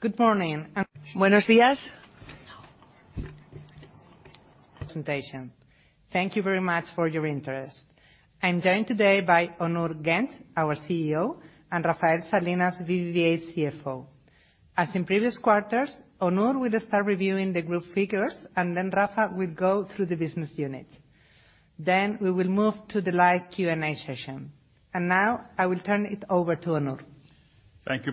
Good morning. Buenos dias. Presentation. Thank you very much for your interest. I'm joined today by Onur Genç, our CEO, and Rafael Salinas, BBVA CFO. As in previous quarters, Onur will start reviewing the group figures and then Rafa will go through the business units. We will move to the live Q&A session. Now, I will turn it over to Onur. Thank you,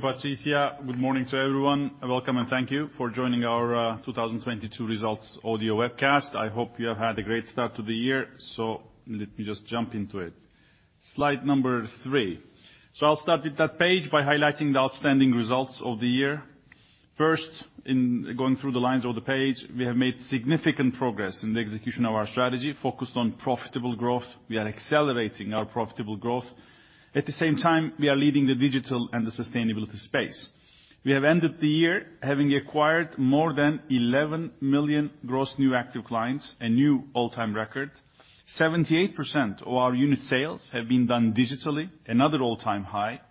Patricia. Good morning to everyone. Welcome, thank you for joining our 2022 Results Audio Webcast. I hope you have had a great start to the year. Let me just jump into it. Slide number three. I'll start with that page by highlighting the outstanding results of the year. First, in going through the lines of the page, we have made significant progress in the execution of our strategy, focused on profitable growth. We are accelerating our profitable growth. At the same time, we are leading the digital and the sustainability space. We have ended the year having acquired more than 11 million gross new active clients, a new all-time record. 78% of our unit sales have been done digitally, another all-time high.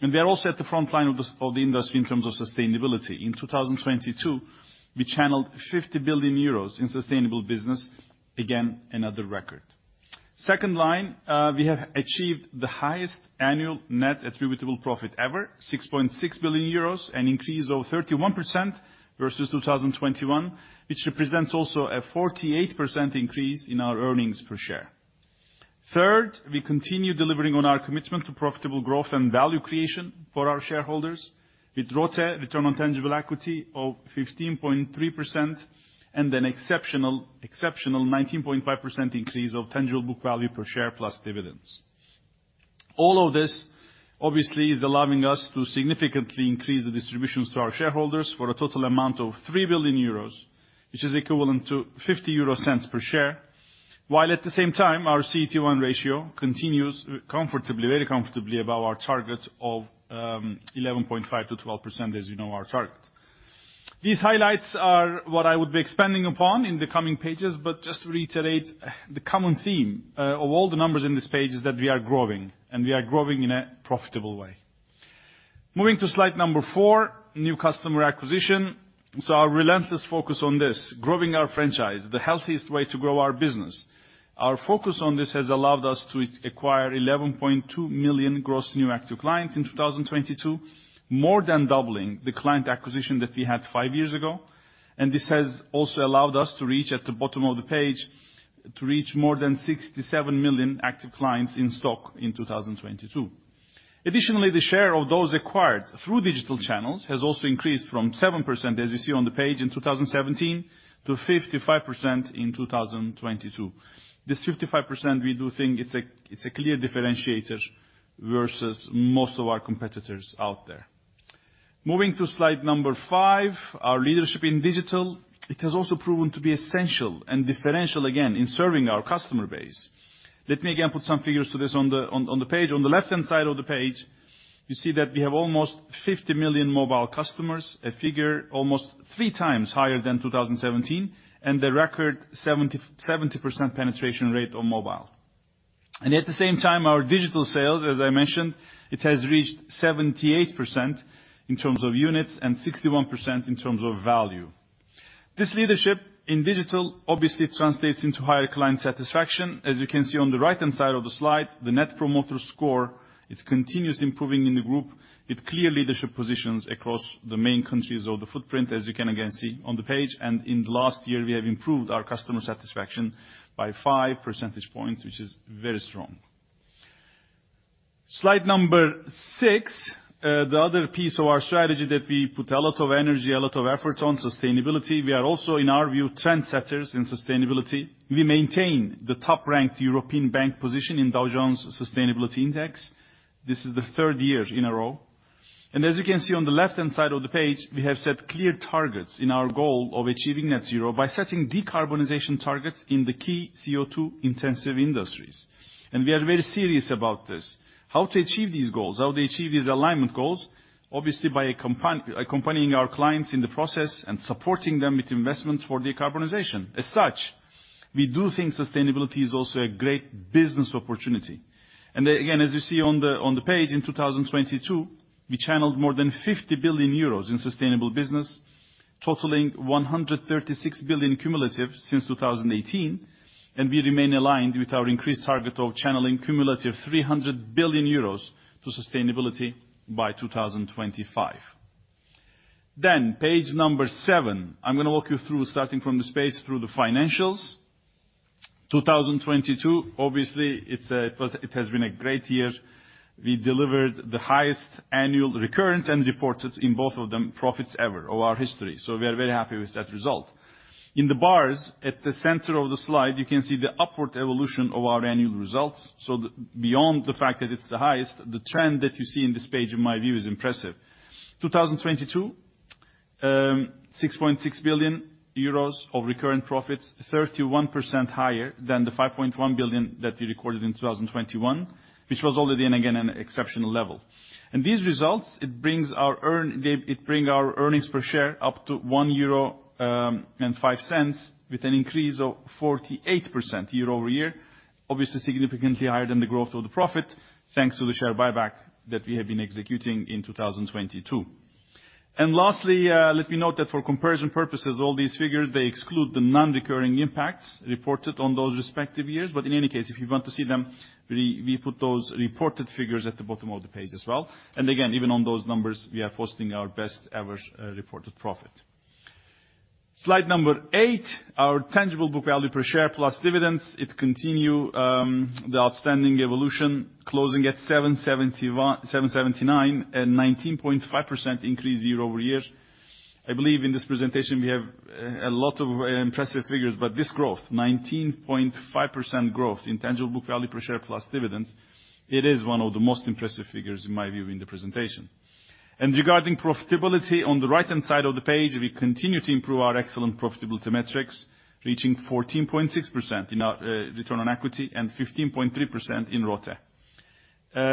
We are also at the front line of the industry in terms of sustainability. In 2022, we channeled 50 billion euros in sustainable business. Again, another record. Second line, we have achieved the highest annual net attributable profit ever, 6.6 billion euros, an increase of 31% versus 2021, which represents also a 48% increase in our earnings per share. Third, we continue delivering on our commitment to profitable growth and value creation for our shareholders. With ROTE, return on tangible equity, of 15.3% and an exceptional 19.5% increase of tangible book value per share plus dividends. All of this obviously is allowing us to significantly increase the distributions to our shareholders for a total amount of 3 billion euros, which is equivalent to 0.50 per share, while at the same time, our CET1 ratio continues comfortably, very comfortably above our target of 11.5%-12% as you know our target. These highlights are what I would be expanding upon in the coming pages, but just to reiterate, the common theme of all the numbers in this page is that we are growing, and we are growing in a profitable way. Moving to slide number four, new customer acquisition. Our relentless focus on this, growing our franchise, the healthiest way to grow our business. Our focus on this has allowed us to acquire 11.2 million gross new active clients in 2022, more than doubling the client acquisition that we had five years ago. This has also allowed us to reach at the bottom of the page, to reach more than 67 million active clients in stock in 2022. Additionally, the share of those acquired through digital channels has also increased from 7%, as you see on the page, in 2017 to 55% in 2022. This 55% we do think it's a clear differentiator versus most of our competitors out there. Moving to slide five, our leadership in digital. It has also proven to be essential and differential, again, in serving our customer base. Let me again put some figures to this on the page. On the left-hand side of the page, you see that we have almost 50 million mobile customers, a figure almost three times higher than 2017, and the record 70% penetration rate on mobile. At the same time, our digital sales, as I mentioned, it has reached 78% in terms of units and 61% in terms of value. This leadership in digital obviously translates into higher client satisfaction. As you can see on the right-hand side of the slide, the Net Promoter Score, it's continuously improving in the group. It clear leadership positions across the main countries of the footprint, as you can again see on the page. In the last year, we have improved our customer satisfaction by five percentage points, which is very strong. Slide number six. The other piece of our strategy that we put a lot of energy, a lot of effort on, sustainability. We are also, in our view, trendsetters in sustainability. We maintain the top-ranked European bank position in Dow Jones Sustainability Index. This is the third year in a row. As you can see on the left-hand side of the page, we have set clear targets in our goal of achieving net zero by setting decarbonization targets in the key CO2 intensive industries. We are very serious about this. How to achieve these goals? How to achieve these alignment goals? Obviously, by accompanying our clients in the process and supporting them with investments for decarbonization. As such, we do think sustainability is also a great business opportunity. Again, as you see on the, on the page, in 2022, we channeled more than 50 billion euros in sustainable business, totaling 136 billion cumulative since 2018. We remain aligned with our increased target of channeling cumulative 300 billion euros to sustainability by 2025. Page seven. I'm gonna walk you through, starting from this page, through the financials. 2022, obviously, it's it has been a great year. We delivered the highest annual recurrent and reported in both of them, profits ever of our history. We are very happy with that result. In the bars at the center of the slide, you can see the upward evolution of our annual results. Beyond the fact that it's the highest, the trend that you see in this page, in my view, is impressive. 2022, 6.6 billion euros of recurrent profits, 31% higher than the 5.1 billion that we recorded in 2021, which was already, and again, an exceptional level. These results, it brings our earnings per share up to 1.05 euro with an increase of 48% year-over-year. Obviously, significantly higher than the growth of the profit, thanks to the share buyback that we have been executing in 2022. Lastly, let me note that for comparison purposes, all these figures, they exclude the non-recurring impacts reported on those respective years. In any case, if you want to see them, we put those reported figures at the bottom of the page as well. Again, even on those numbers, we are posting our best ever reported profit. Slide eight, our tangible book value per share plus dividends. It continue the outstanding evolution closing at 7.79 and 19.5% increase year-over-year. I believe in this presentation, we have a lot of impressive figures. This growth, 19.5% growth in tangible book value per share plus dividends, it is one of the most impressive figures, in my view, in the presentation. Regarding profitability, on the right-hand side of the page, we continue to improve our excellent profitability metrics, reaching 14.6% in our return on equity and 15.3% in ROTE.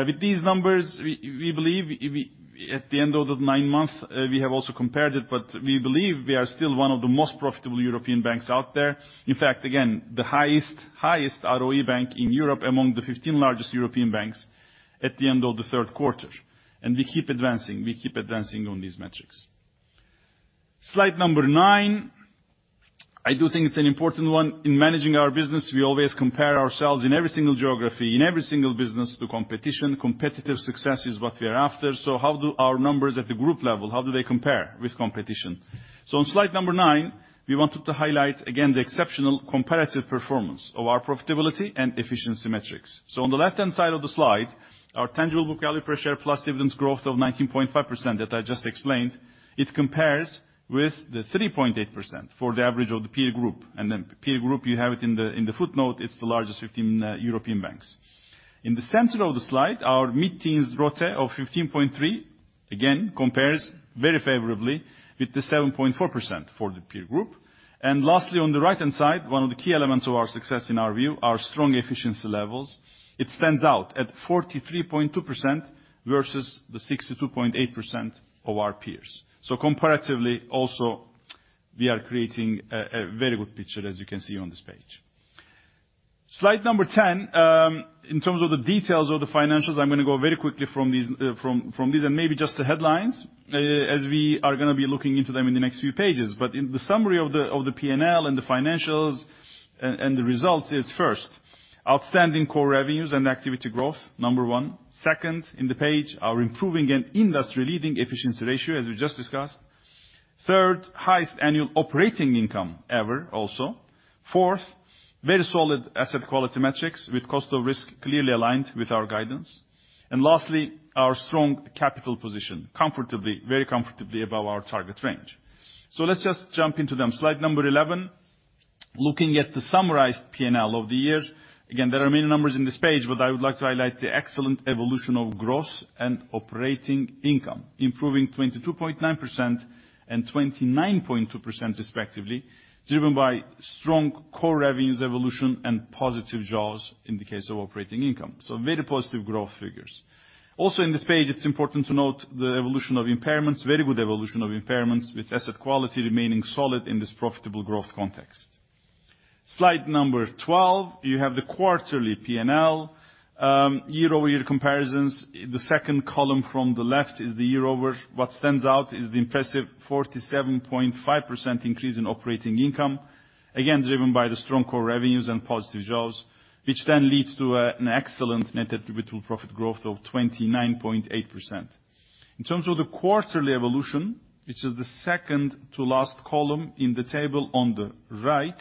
With these numbers, we believe at the end of the nine months, we have also compared it, but we believe we are still one of the most profitable European banks out there. In fact, again, the highest ROE bank in Europe among the 15 largest European banks at the end of the third quarter. We keep advancing, we keep advancing on these metrics. Slide number nine, I do think it's an important one. In managing our business, we always compare ourselves in every single geography, in every single business to competition. Competitive success is what we are after. How do our numbers at the group level, how do they compare with competition? On slide number nine, we wanted to highlight again the exceptional competitive performance of our profitability and efficiency metrics. On the left-hand side of the slide, our tangible book value per share plus dividends growth of 19.5% that I just explained, it compares with the 3.8% for the average of the peer group. Peer group, you have it in the, in the footnote, it's the largest 15 European banks. In the center of the slide, our mid-teens ROTE of 15.3%, again, compares very favorably with the 7.4% for the peer group. Lastly, on the right-hand side, one of the key elements of our success in our view, our strong efficiency levels. It stands out at 43.2% versus the 62.8% of our peers. Comparatively, also, we are creating a very good picture, as you can see on this page. Slide number 10, in terms of the details of the financials. I'm gonna go very quickly from these and maybe just the headlines, as we are gonna be looking into them in the next few pages. In the summary of the, of the P&L and the financials and the results is, first, outstanding core revenues and activity growth, number one. Second in the page, our improving and industry-leading efficiency ratio, as we just discussed. Third, highest annual operating income ever, also. Fourth, very solid asset quality metrics with cost of risk clearly aligned with our guidance. Lastly, our strong capital position, comfortably, very comfortably above our target range. Let's just jump into them. Slide number 11, looking at the summarized P&L of the year. Again, there are many numbers in this page, but I would like to highlight the excellent evolution of gross and operating income, improving 22.9% and 29.2% respectively, driven by strong core revenues evolution and positive jaws in the case of operating income. Very positive growth figures. Also in this page, it's important to note the evolution of impairments, very good evolution of impairments, with asset quality remaining solid in this profitable growth context. Slide 12, you have the quarterly P&L, year-over-year comparisons. The second column from the left is the year over. What stands out is the impressive 47.5% increase in operating income, again, driven by the strong core revenues and positive jaws, which then leads to an excellent net attributable profit growth of 29.8%. In terms of the quarterly evolution, which is the second to last column in the table on the right,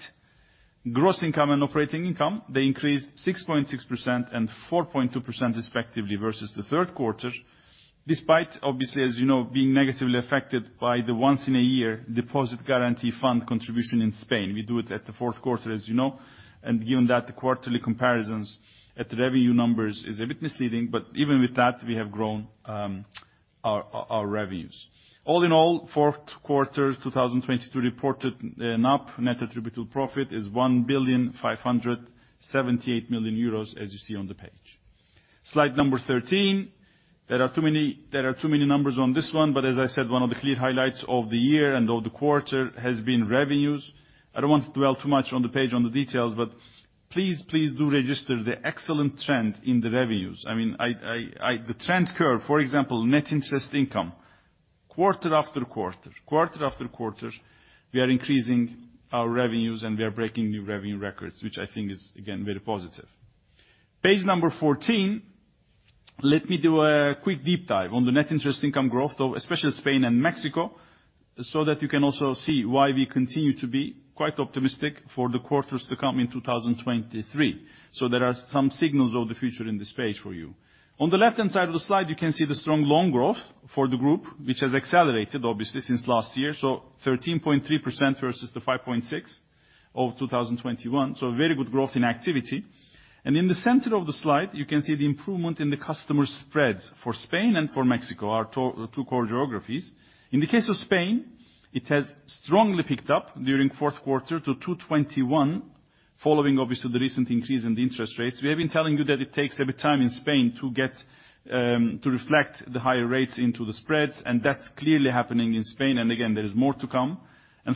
gross income and operating income, they increased 6.6% and 4.2% respectively versus the third quarter, despite obviously, as you know, being negatively affected by the once-in-a-year Deposit Guarantee Fund contribution in Spain. We do it at the fourth quarter, as you know. And given that, the quarterly comparisons at the revenue numbers is a bit misleading, but even with that, we have grown our revenues. All in all, fourth quarter 2022 reported NAP, net attributable profit, is 1.578 billion euros, as you see on the page. Slide number 13. There are too many numbers on this one, but as I said, one of the clear highlights of the year and of the quarter has been revenues. I don't want to dwell too much on the page on the details, but please do register the excellent trend in the revenues. I mean, the trend curve, for example, net interest income, quarter after quarter, we are increasing our revenues, and we are breaking new revenue records, which I think is again, very positive. Page number 14, let me do a quick deep dive on the net interest income growth, though, especially Spain and Mexico, so that you can also see why we continue to be quite optimistic for the quarters to come in 2023. There are some signals of the future in this page for you. On the left-hand side of the slide, you can see the strong loan growth for the group, which has accelerated, obviously, since last year, so 13.3% versus the 5.6% of 2021. Very good growth in activity. In the center of the slide, you can see the improvement in the customer spreads for Spain and for Mexico, our two core geographies. In the case of Spain, it has strongly picked up during fourth quarter to 2.21%. Following obviously the recent increase in the interest rates, we have been telling you that it takes a bit of time in Spain to get to reflect the higher rates into the spreads, and that's clearly happening in Spain. Again, there is more to come.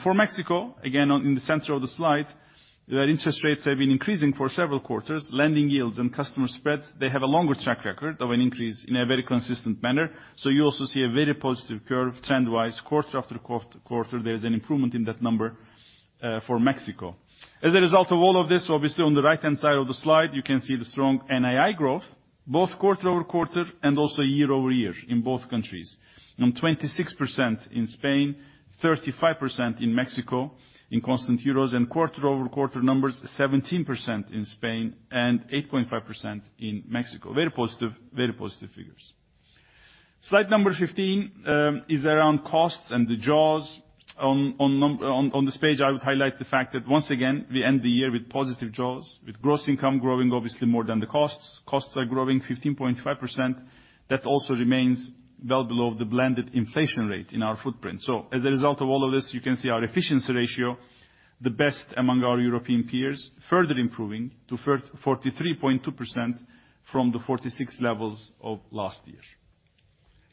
For Mexico, again, in the center of the slide, their interest rates have been increasing for several quarters. Lending yields and customer spreads, they have a longer track record of an increase in a very consistent manner. You also see a very positive curve trend-wise. Quarter-after-quarter, there is an improvement in that number for Mexico. As a result of all of this, obviously on the right-hand side of the slide, you can see the strong NII growth, both quarter-over-quarter and also year-over-year in both countries. 26% in Spain, 35% in Mexico, in constant euros, and quarter-over-quarter numbers, 17% in Spain and 8.5% in Mexico. Very positive, very positive figures. Slide number 15 is around costs and the jaws. On this page, I would highlight the fact that once again, we end the year with positive jaws, with gross income growing obviously more than the costs. Costs are growing 15.5%. That also remains well below the blended inflation rate in our footprint. As a result of all of this, you can see our efficiency ratio, the best among our European peers, further improving to 43.2% from the 46 levels of last year.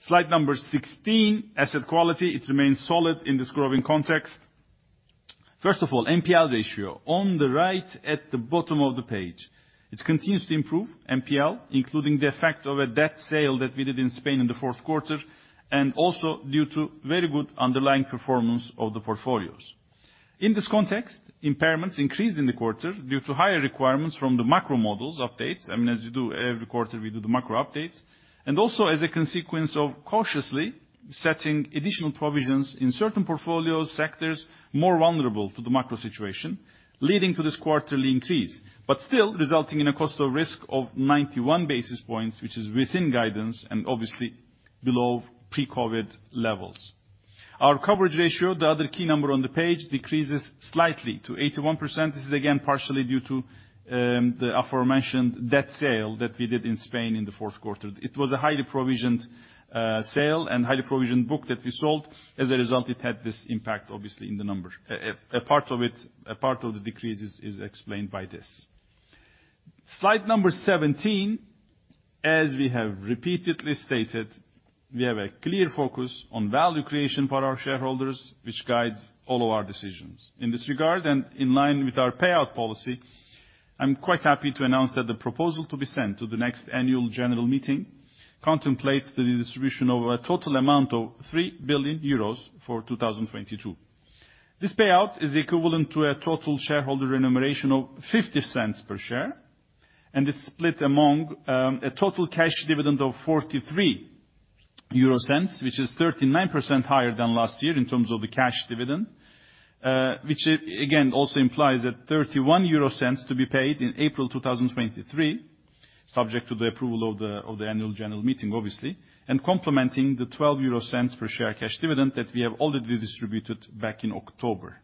Slide number 16, asset quality. It remains solid in this growing context. First of all, NPL ratio. On the right at the bottom of the page, it continues to improve NPL, including the effect of a debt sale that we did in Spain in the fourth quarter, and also due to very good underlying performance of the portfolios. In this context, impairments increased in the quarter due to higher requirements from the macro models updates. I mean, as you do every quarter, we do the macro updates. As a consequence of cautiously setting additional provisions in certain portfolio sectors more vulnerable to the macro situation, leading to this quarterly increase. Still resulting in a cost of risk of 91 basis points, which is within guidance and obviously below pre-COVID levels. Our coverage ratio, the other key number on the page, decreases slightly to 81%. This is again, partially due to the aforementioned debt sale that we did in Spain in the fourth quarter. It was a highly provisioned sale and highly provisioned book that we sold. As a result, it had this impact, obviously, in the numbers. A part of it, a part of the decrease is explained by this. Slide number 17. As we have repeatedly stated, we have a clear focus on value creation for our shareholders, which guides all of our decisions. In this regard, and in line with our payout policy, I'm quite happy to announce that the proposal to be sent to the next annual general meeting contemplates the distribution of a total amount of 3 billion euros for 2022. This payout is equivalent to a total shareholder remuneration of 0.50 per share, and it's split among a total cash dividend of 0.43, which is 39% higher than last year in terms of the cash dividend. Which again also implies that 0.31 to be paid in April 2023, subject to the approval of the annual general meeting, obviously, and complementing the 0.12 per share cash dividend that we have already distributed back in October.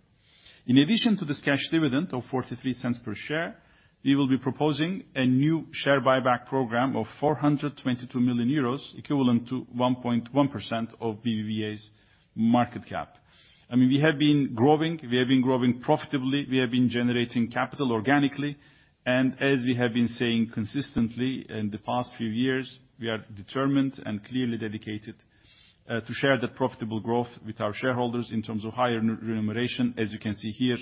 In addition to this cash dividend of 0.43 per share, we will be proposing a new share buyback program of 422 million euros, equivalent to 1.1% of BBVA's market cap. I mean, we have been growing. We have been growing profitably. We have been generating capital organically. As we have been saying consistently in the past few years, we are determined and clearly dedicated to share the profitable growth with our shareholders in terms of higher re-remuneration. As you can see here,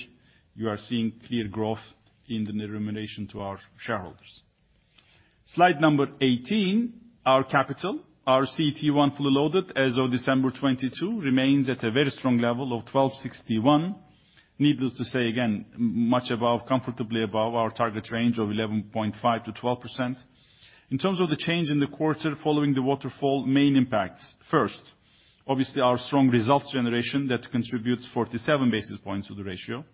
you are seeing clear growth in the remuneration to our shareholders. Slide number 18, our capital. Our CET1 full loaded as of December 2022 remains at a very strong level of 12.61%. Needless to say, again, much above, comfortably above our target range of 11.5%-12%. In terms of the change in the quarter following the waterfall, main impacts. First, obviously, our strong results generation that contributes 47 basis points to the ratio.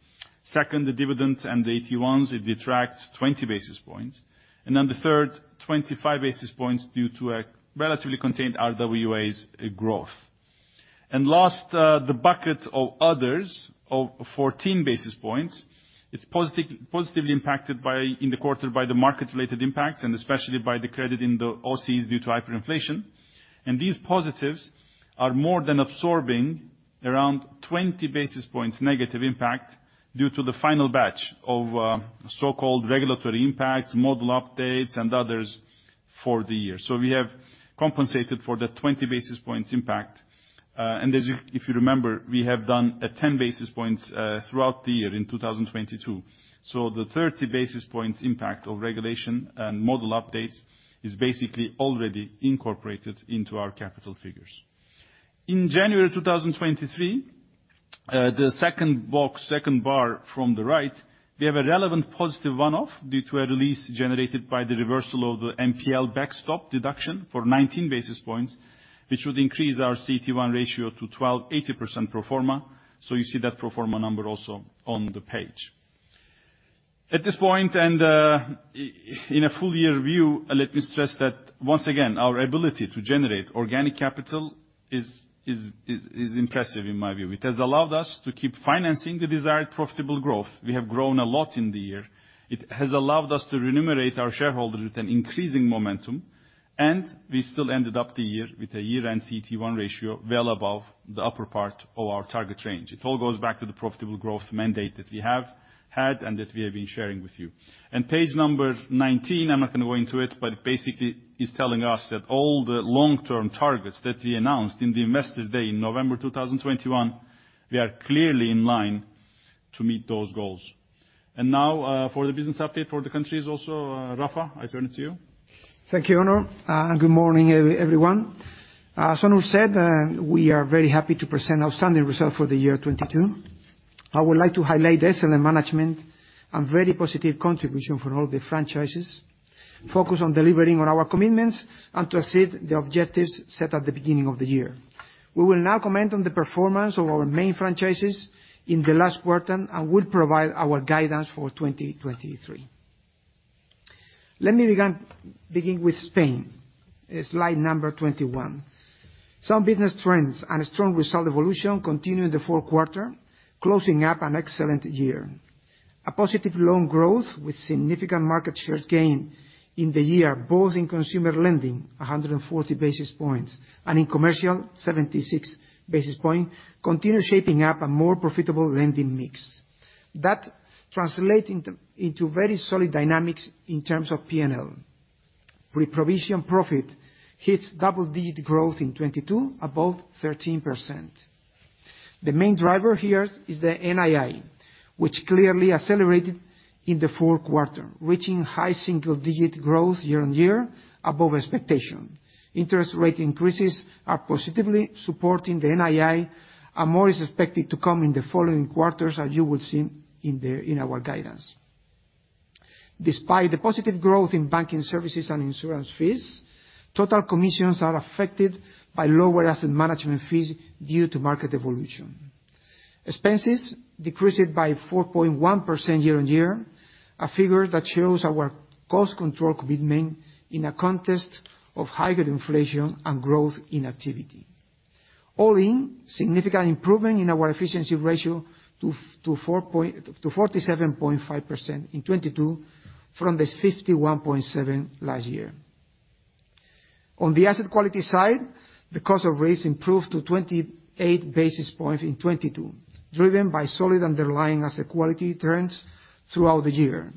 Second, the dividend and the AT1s, it detracts 20 basis points. The third, 25 basis points due to a relatively contained RWAs growth. Last, the bucket of others of 14 basis points, it's positively impacted by, in the quarter by the market-related impacts and especially by the credit in the OCI due to hyperinflation. These positives are more than absorbing around 20 basis points negative impact due to the final batch of so-called regulatory impacts, model updates and others for the year. We have compensated for the 20 basis points impact. If you remember, we have done a 10 basis points throughout the year in 2022. The 30 basis points impact of regulation and model updates is basically already incorporated into our capital figures. In January 2023, the second box, second bar from the right, we have a relevant positive one-off due to a release generated by the reversal of the NPL backstop deduction for 19 basis points, which would increase our CET1 ratio to 12.80% pro forma. You see that pro forma number also on the page. At this point and, in a full-year view, let me stress that once again, our ability to generate organic capital is impressive in my view. It has allowed us to keep financing the desired profitable growth. We have grown a lot in the year. It has allowed us to remunerate our shareholders with an increasing momentum, we still ended up the year with a year-end CET1 ratio well above the upper part of our target range. It all goes back to the profitable growth mandate that we have had and that we have been sharing with you. Page number 19, I'm not gonna go into it, but basically is telling us that all the long-term targets that we announced in the Investors Day in November 2021, we are clearly in line to meet those goals. Now, for the business update for the countries also, Rafa, I turn it to you. Thank you, Onur, and good morning everyone. As Onur said, we are very happy to present outstanding result for the year 2022. I would like to highlight excellent management and very positive contribution from all the franchises, focus on delivering on our commitments, and to exceed the objectives set at the beginning of the year. We will now comment on the performance of our main franchises in the last quarter, and we'll provide our guidance for 2023. Let me begin with Spain. Slide number 21. Some business trends and a strong result evolution continued in the fourth quarter, closing up an excellent year. A positive loan growth with significant market shares gained in the year, both in consumer lending, 140 basis points, and in commercial, 76 basis point, continue shaping up a more profitable lending mix. That translate into very solid dynamics in terms of P&L. Pre-provision profit hits double digit growth in 2022, above 13%. The main driver here is the NII, which clearly accelerated in the fourth quarter, reaching high single digit growth year-on-year above expectation. Interest rate increases are positively supporting the NII, more is expected to come in the following quarters, as you will see in our guidance. Despite the positive growth in banking services and insurance fees, total commissions are affected by lower asset management fees due to market evolution. Expenses decreased by 4.1% year-on-year, a figure that shows our cost control commitment in a context of higher inflation and growth in activity. All in, significant improvement in our efficiency ratio to 47.5% in 2022, from the 51.7% last year. On the asset quality side, the cost of risk improved to 28 basis points in 2022, driven by solid underlying asset quality trends throughout the year.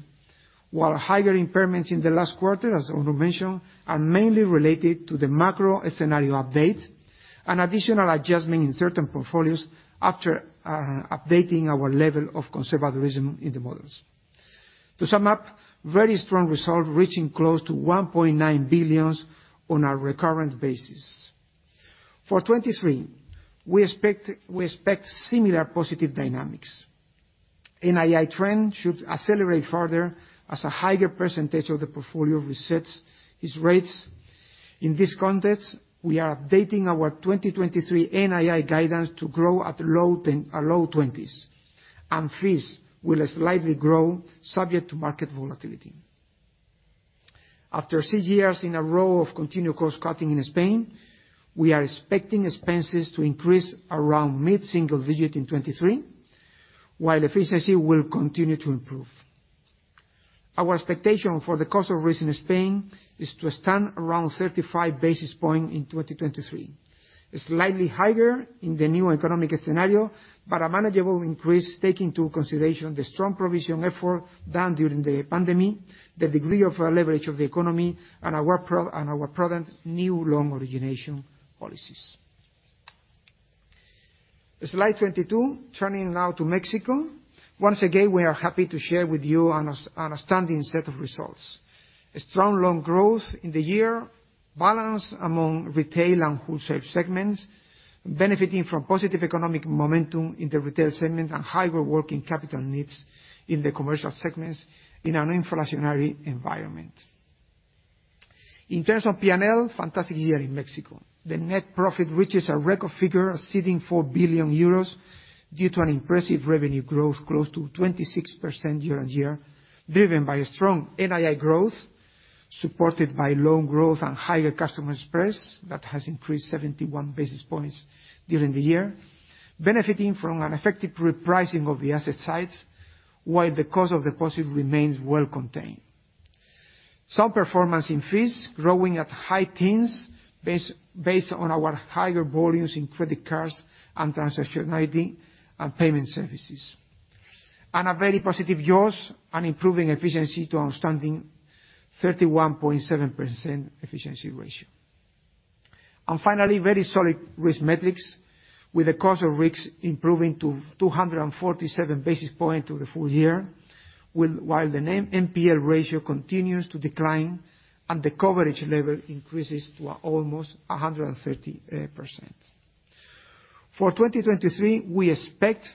Higher impairments in the last quarter, as Onur mentioned, are mainly related to the macro scenario update, an additional adjustment in certain portfolios after updating our level of conservatism in the models. To sum up, very strong result, reaching close to 1.9 billion on a recurrent basis. For 2023, we expect similar positive dynamics. NII trend should accelerate further as a higher percentage of the portfolio resets its rates. In this context, we are updating our 2023 NII guidance to grow at low 20%, fees will slightly grow subject to market volatility. After six years in a row of continued cost-cutting in Spain, we are expecting expenses to increase around mid-single digit in 2023, while efficiency will continue to improve. Our expectation for the cost of risk in Spain is to stand around 35 basis points in 2023. Slightly higher in the new economic scenario, a manageable increase taking into consideration the strong provision effort done during the pandemic, the degree of leverage of the economy, and our prudent new loan origination policies. Slide 22, turning now to Mexico. Once again, we are happy to share with you an outstanding set of results. A strong loan growth in the year, balanced among retail and wholesale segments, benefiting from positive economic momentum in the retail segment and higher working capital needs in the commercial segments in an inflationary environment. In terms of P&L, fantastic year in Mexico. The net profit reaches a record figure exceeding 4 billion euros due to an impressive revenue growth, close to 26% year-on-year, driven by a strong NII growth, supported by loan growth and higher customers spreads, that has increased 71 basis points during the year, benefiting from an effective repricing of the asset sides, while the cost of deposit remains well contained. Some performance in fees growing at high teens base, based on our higher volumes in credit cards and transaction ID and payment services. A very positive jaws on improving efficiency to outstanding 31.7% efficiency ratio. Finally, very solid risk metrics, with the cost of risk improving to 247 basis points through the full-year, while the name NPL ratio continues to decline and the coverage level increases to almost 130%. For 2023, we expect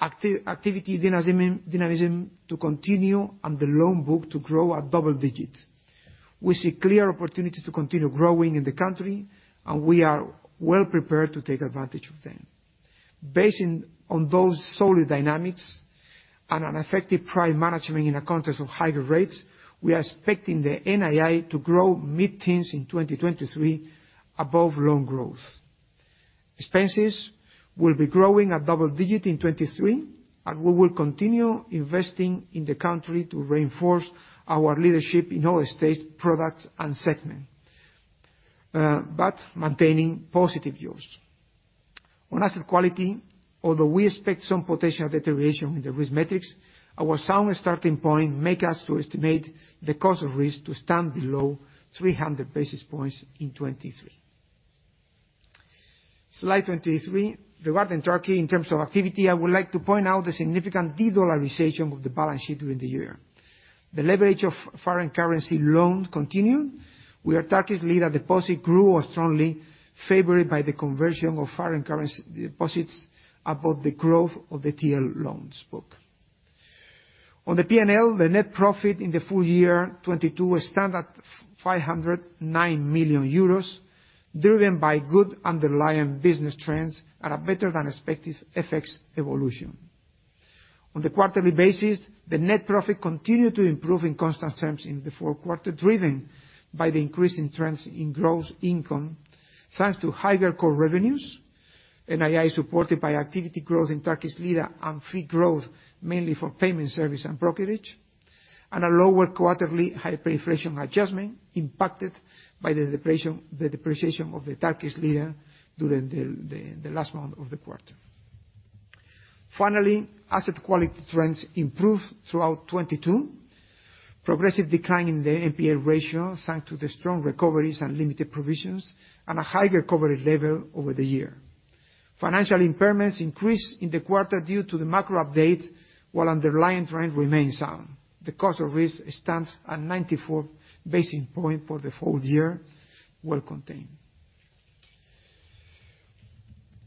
activity dynamism to continue and the loan book to grow at double digit. We see clear opportunities to continue growing in the country, and we are well prepared to take advantage of them. Based on those solid dynamics and an effective price management in a context of higher rates, we are expecting the NII to grow mid-teens in 2023 above loan growth. Expenses will be growing at double digit in 2023, and we will continue investing in the country to reinforce our leadership in all states, products, and segment, but maintaining positive jaws. On asset quality, although we expect some potential deterioration in the risk metrics, our sound starting point make us to estimate the cost of risk to stand below 300 basis points in 2023. Slide 23. Regarding Turkey, in terms of activity, I would like to point out the significant de-dollarization of the balance sheet during the year. The leverage of foreign currency loan continued, where Turkish lira deposit grew strongly, favored by the conversion of foreign currency deposits above the growth of the TL loans book. On the P&L, the net profit in the full-year 2022 was stood at 509 million euros, driven by good underlying business trends and a better-than-expected FX evolution. On the quarterly basis, the net profit continued to improve in constant terms in the fourth quarter, driven by the increase in trends in gross income, thanks to higher core revenues, NII supported by activity growth in Turkish lira, and fee growth, mainly from payment service and brokerage, and a lower quarterly hyperinflation adjustment impacted by the depreciation of the Turkish lira during the last month of the quarter. Asset quality trends improved throughout 2022. Progressive decline in the NPA ratio, thanks to the strong recoveries and limited provisions, and a high recovery level over the year. Financial impairments increased in the quarter due to the macro update, while underlying trend remains sound. The cost of risk stands at 94 basis point for the full-year, well contained.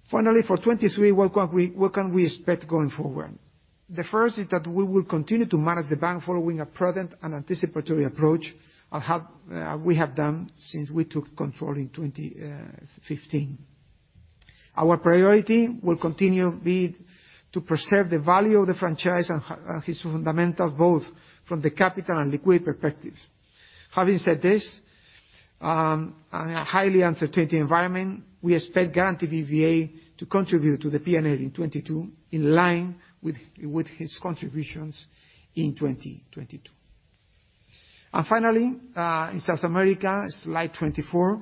For 2023, what can we expect going forward? The first is that we will continue to manage the bank following a prudent and anticipatory approach, of how we have done since we took control in 2015. Our priority will continue be to preserve the value of the franchise and its fundamentals, both from the capital and liquidity perspective. Having said this, in a highly uncertain environment, we expect Garanti BBVA to contribute to the P&L in 2022, in line with its contributions in 2022. Finally, in South America, slide 24,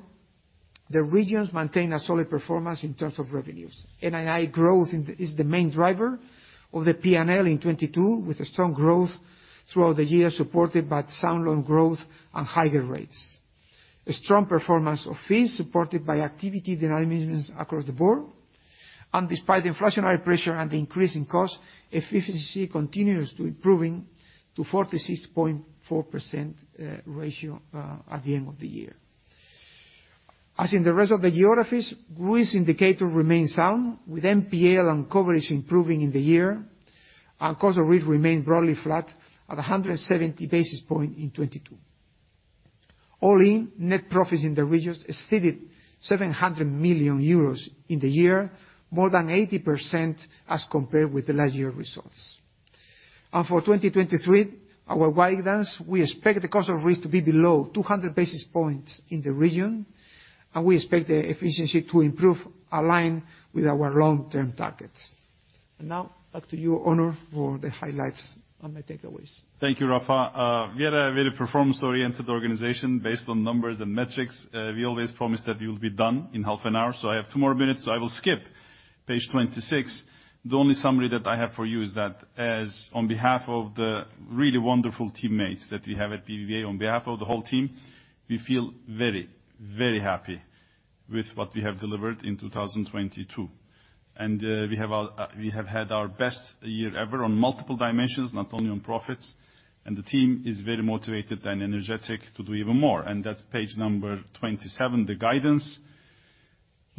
the regions maintain a solid performance in terms of revenues. NII growth is the main driver of the P&L in 2022, with a strong growth throughout the year, supported by sound loan growth and higher rates. A strong performance of fees supported by activity dynamic across the board. Despite the inflationary pressure and the increase in cost, efficiency continues to improving to 46.4% ratio at the end of the year. As in the rest of the geographies, risk indicator remains sound, with NPL and coverage improving in the year, and cost of risk remained broadly flat at 170 basis point in 2022. All in, net profits in the regions exceeded 700 million euros in the year, more than 80% as compared with the last year results. For 2023, our guidance, we expect the cost of risk to be below 200 basis points in the region, and we expect the efficiency to improve, align with our long-term targets. Now back to you, Onur, for the highlights on my takeaways. Thank you, Rafa. We are a very performance-oriented organization based on numbers and metrics. We always promise that we will be done in half an hour, so I have two more minutes, so I will skip page 26. The only summary that I have for you is that as on behalf of the really wonderful teammates that we have at BBVA, on behalf of the whole team, we feel very, very happy with what we have delivered in 2022. We have our, we have had our best year ever on multiple dimensions, not only on profits, and the team is very motivated and energetic to do even more. That's page number 27, the guidance.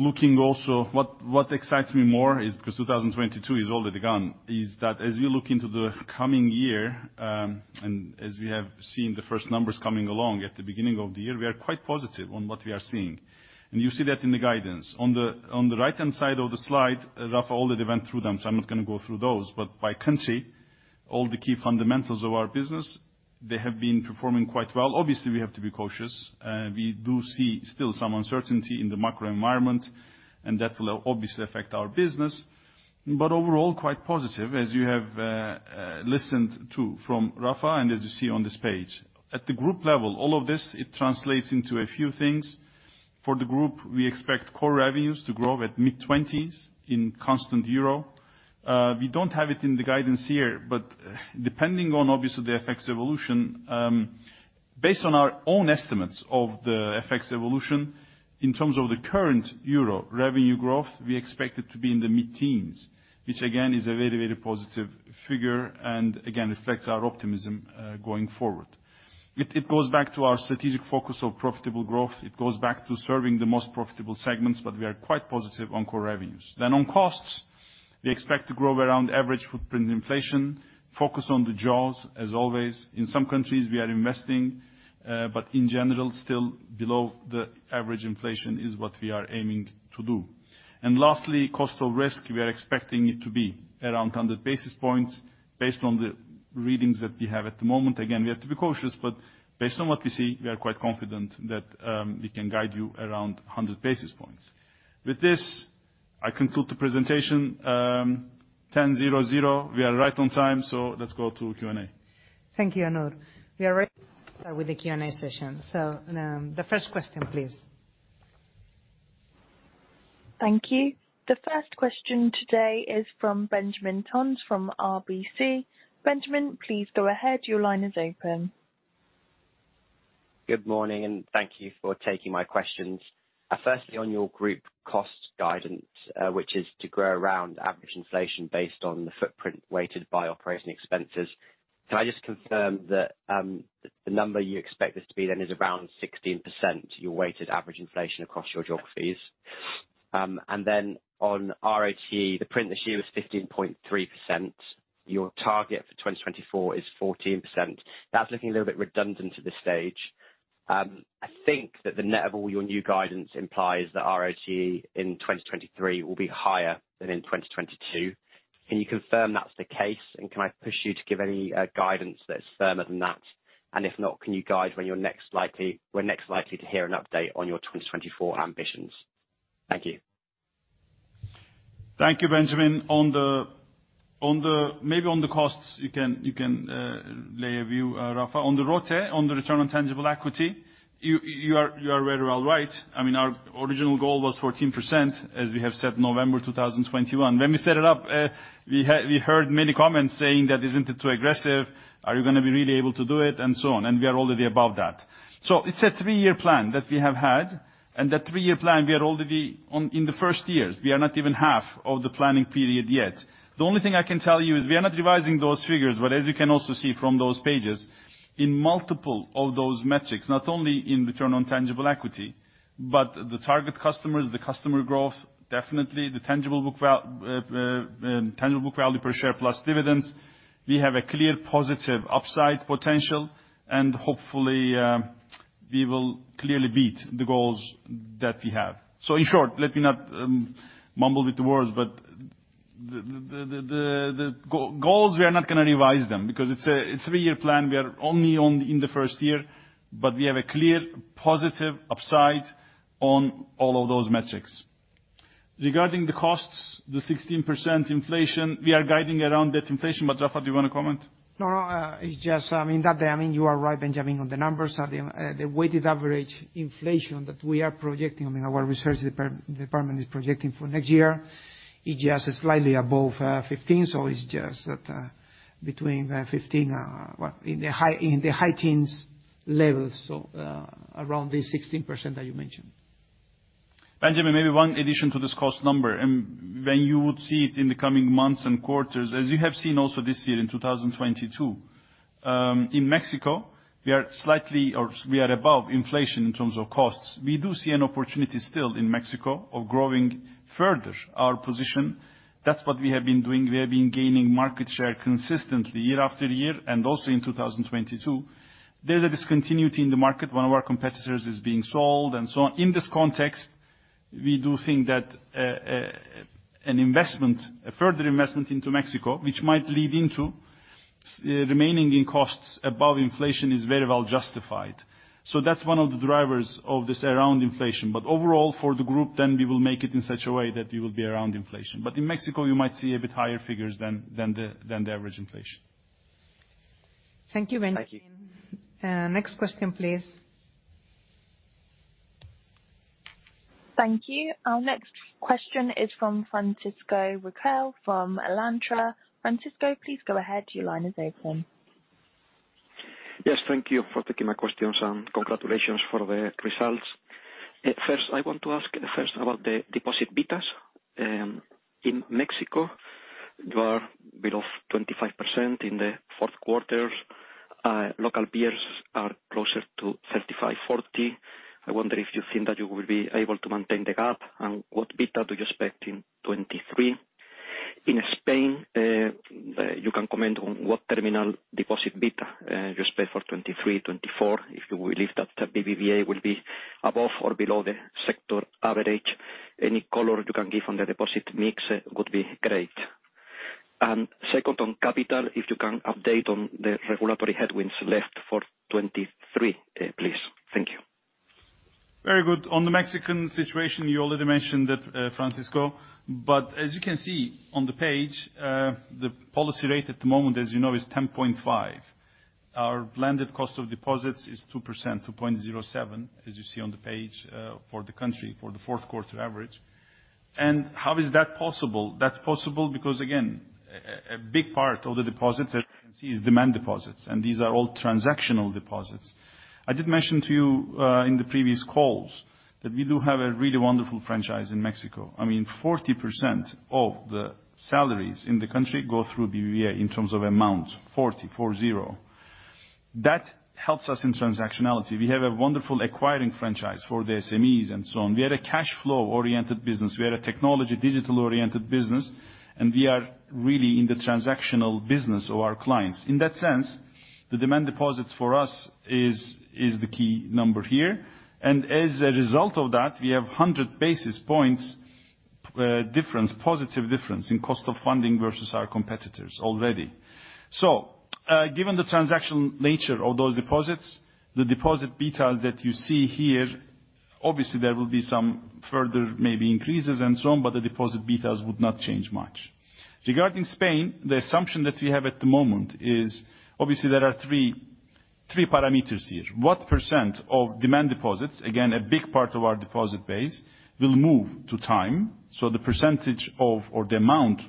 Looking also what excites me more is, because 2022 is already gone, is that as you look into the coming year, as we have seen the first numbers coming along at the beginning of the year, we are quite positive on what we are seeing. You see that in the guidance. On the right-hand side of the slide, Rafa already went through them, I'm not gonna go through those. By country, all the key fundamentals of our business, they have been performing quite well. Obviously, we have to be cautious. We do see still some uncertainty in the macro environment, That will obviously affect our business. Overall, quite positive, as you have listened to from Rafa and as you see on this page. At the group level, all of this, it translates into a few things. For the group, we expect core revenues to grow at mid-20s in constant euro. We don't have it in the guidance here, but depending on obviously the FX evolution, based on our own estimates of the FX evolution in terms of the current euro revenue growth, we expect it to be in the mid-teens, which again is a very, very positive figure, and again, reflects our optimism going forward. It goes back to our strategic focus of profitable growth. It goes back to serving the most profitable segments. We are quite positive on core revenues. On costs, we expect to grow around average footprint inflation, focus on the jaws as always. In some countries we are investing, but in general, still below the average inflation is what we are aiming to do. Lastly, cost of risk, we are expecting it to be around 100 basis points based on the readings that we have at the moment. Again, we have to be cautious, but based on what we see, we are quite confident that we can guide you around 100 basis points. With this, I conclude the presentation. 10:00 A.M. We are right on time, let's go to Q&A. Thank you, Onur. We are ready to start with the Q&A session. The first question, please. Thank you. The first question today is from Benjamin Toms from RBC. Benjamin, please go ahead. Your line is open. Good morning, and thank you for taking my questions. Firstly, on your group cost guidance, which is to grow around average inflation based on the footprint weighted by operating expenses, can I just confirm that the number you expect this to be then is around 16%, your weighted average inflation across your geographies? On ROTE, the print this year was 15.3%. Your target for 2024 is 14%. That's looking a little bit redundant at this stage. I think that the net of all your new guidance implies that ROTE in 2023 will be higher than in 2022. Can you confirm that's the case, and can I push you to give any guidance that's firmer than that? If not, can you guide when we're next likely to hear an update on your 2024 ambitions? Thank you. Thank you, Benjamin. On the costs, you can lay a view, Rafa. On the ROTE, on the return on tangible equity, you are very well right. I mean, our original goal was 14%, as we have set November 2021. When we set it up, we heard many comments saying that isn't it too aggressive, are you gonna be really able to do it and so on. We are already above that. It's a three-year plan that we have had, and that three-year plan, we are already on in the first years. We are not even half of the planning period yet. The only thing I can tell you is we are not revising those figures, but as you can also see from those pages, in multiple of those metrics, not only in return on tangible equity, but the target customers, the customer growth, definitely the tangible book value per share plus dividends, we have a clear positive upside potential and hopefully, we will clearly beat the goals that we have. In short, let me not mumble with the words, the goals, we are not gonna revise them because it's a three-year plan. We are only on in the first year, we have a clear positive upside on all of those metrics. Regarding the costs, the 16% inflation, we are guiding around that inflation, Rafa, do you wanna comment? No, no. It's just, I mean, that, I mean, you are right, Benjamin, on the numbers. The weighted average inflation that we are projecting, I mean, our research department is projecting for next year is just slightly above 15%. It's just that, between 15%, what, in the high teens levels, around the 16% that you mentioned. Benjamin, maybe one addition to this cost number. When you would see it in the coming months and quarters, as you have seen also this year in 2022, in Mexico, we are slightly or we are above inflation in terms of costs. We do see an opportunity still in Mexico of growing further our position. That's what we have been doing. We have been gaining market share consistently year after year and also in 2022. There's a discontinuity in the market. One of our competitors is being sold and so on. In this context, we do think that an investment, a further investment into Mexico, which might lead into remaining in costs above inflation is very well justified. That's one of the drivers of this around inflation. Overall, for the group we will make it in such a way that we will be around inflation. In Mexico, you might see a bit higher figures than the average inflation. Thank you. Thank you. Next question, please. Thank you. Our next question is from Francisco Riquel from Alantra. Francisco, please go ahead. Your line is open. Yes, thank you for taking my questions. Congratulations for the results. First, I want to ask about the deposit betas. In Mexico, you are below 25% in the fourth quarter. Local peers are closer to 35%-40%. I wonder if you think that you will be able to maintain the gap. What beta do you expect in 2023? In Spain, you can comment on what terminal deposit beta you expect for 2023–2024, if you believe that BBVA will be above or below the sector average. Any color you can give on the deposit mix would be great. Second on capital, if you can update on the regulatory headwinds left for 2023, please. Thank you. Very good. On the Mexican situation, you already mentioned it, Francisco, as you can see on the page, the policy rate at the moment, as you know, is 10.5%. Our blended cost of deposits is 2%, 2.07%, as you see on the page, for the country, for the fourth quarter average. How is that possible? That's possible because again, a big part of the deposits that you can see is demand deposits, these are all transactional deposits. I did mention to you in the previous calls that we do have a really wonderful franchise in Mexico. I mean, 40% of the salaries in the country go through BBVA in terms of amount, 40, 4 0. That helps us in transactionality. We have a wonderful acquiring franchise for the SMEs and so on. We are a cash flow-oriented business. We are a technology digital-oriented business, and we are really in the transactional business of our clients. In that sense, the demand deposits for us is the key number here, and as a result of that, we have 100 basis points difference, positive difference in cost of funding versus our competitors already. Given the transactional nature of those deposits, the deposit betas that you see here, obviously there will be some further maybe increases and so on, but the deposit betas would not change much. Regarding Spain, the assumption that we have at the moment is obviously there are three parameters here. What percent of demand deposits, again, a big part of our deposit base, will move to time. The percentage of or the amount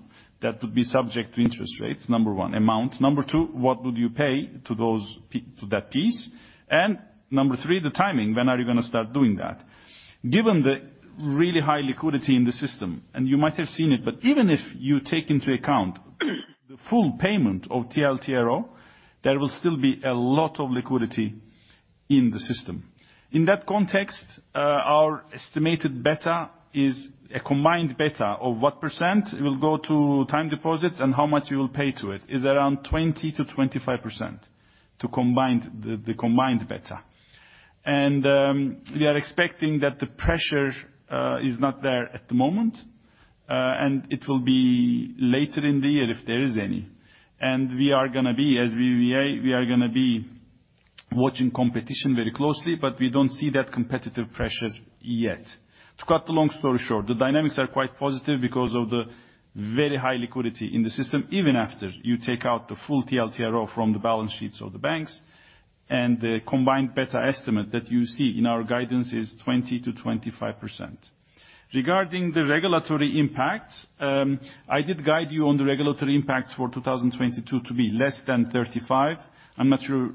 that would be subject to interest rates, number one, amount. Number two, what would you pay to those to that piece? Number three, the timing. When are you going to start doing that? Given the really high liquidity in the system, and you might have seen it, but even if you take into account the full payment of TLTRO, there will still be a lot of liquidity in the system. In that context, our estimated beta is a combined beta of what percent will go to time deposits and how much you will pay to it, is around 20%-25% to combined, the combined beta. We are expecting that the pressure is not there at the moment, and it will be later in the year if there is any. We are gonna be watching competition very closely, but we don't see that competitive pressure yet. To cut the long story short, the dynamics are quite positive because of the very high liquidity in the system, even after you take out the full TLTRO from the balance sheets of the banks, and the combined beta estimate that you see in our guidance is 20%-25%. Regarding the regulatory impacts, I did guide you on the regulatory impacts for 2022 to be less than 35. I'm not sure,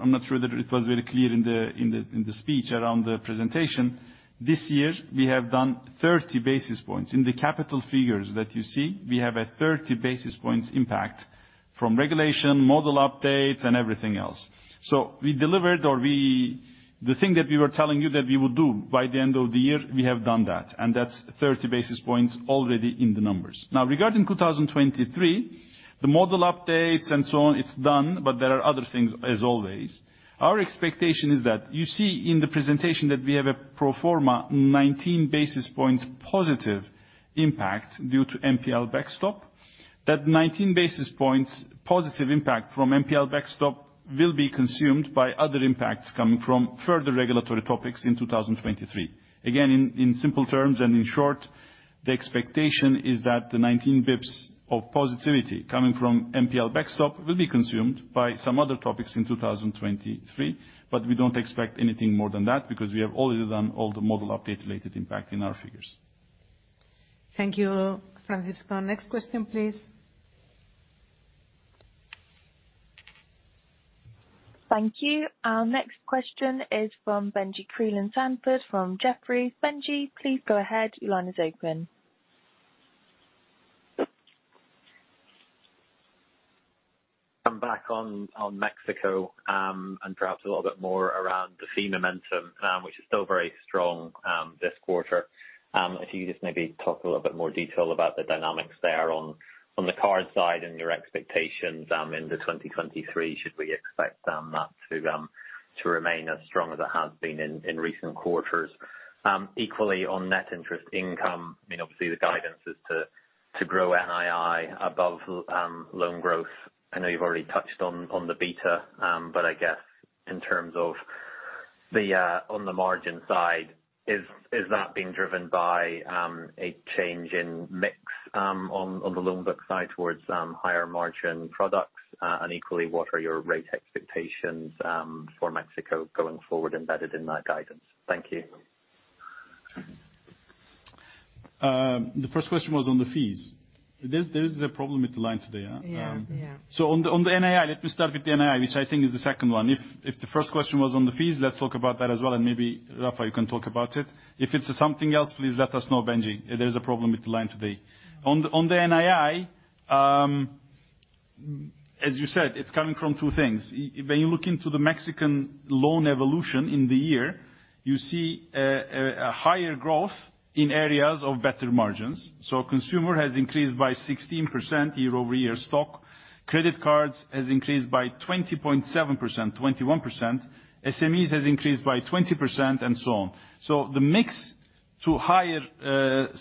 I'm not sure that it was very clear in the speech around the presentation. This year, we have done 30 basis points. In the capital figures that you see, we have a 30 basis points impact from regulation, model updates and everything else. We delivered the thing that we were telling you that we would do by the end of the year, we have done that, and that's 30 basis points already in the numbers. Regarding 2023, the model updates and so on, it's done, but there are other things as always. Our expectation is that you see in the presentation that we have a pro forma 19 basis points positive impact due to NPL backstop. That 19 basis points positive impact from NPL backstop will be consumed by other impacts coming from further regulatory topics in 2023. Again, in simple terms and in short, the expectation is that the 19 basis points of positivity coming from NPL backstop will be consumed by some other topics in 2023, we don't expect anything more than that because we have already done all the model update related impact in our figures. Thank you, Francisco. Next question, please. Thank you. Our next question is from Benjie Creelan-Sanford from Jefferies. Benji, please go ahead. Your line is open. I'm back on Mexico, and perhaps a little bit more around the fee momentum, which is still very strong, this quarter. If you just maybe talk a little bit more detail about the dynamics there on the card side and your expectations into 2023, should we expect that to remain as strong as it has been in recent quarters? Equally on net interest income, I mean, obviously the guidance is to grow NII above loan growth. I know you've already touched on the beta. But I guess in terms of on the margin side, is that being driven by a change in mix on the loan book side towards higher margin products? Equally, what are your rate expectations for Mexico going forward embedded in that guidance? Thank you. The first question was on the fees. There is a problem with the line today, huh? Yeah. Yeah. On the NII, let me start with the NII, which I think is the second one. If the first question was on the fees, let's talk about that as well, and maybe, Rafa, you can talk about it. If it's something else, please let us know, Benji. There's a problem with the line today. On the NII, as you said, it's coming from two things. When you look into the Mexican loan evolution in the year, you see a higher growth in areas of better margins. Consumer has increased by 16% year-over-year stock. Credit cards has increased by 20.7%, 21%. SMEs has increased by 20% and so on. The mix to higher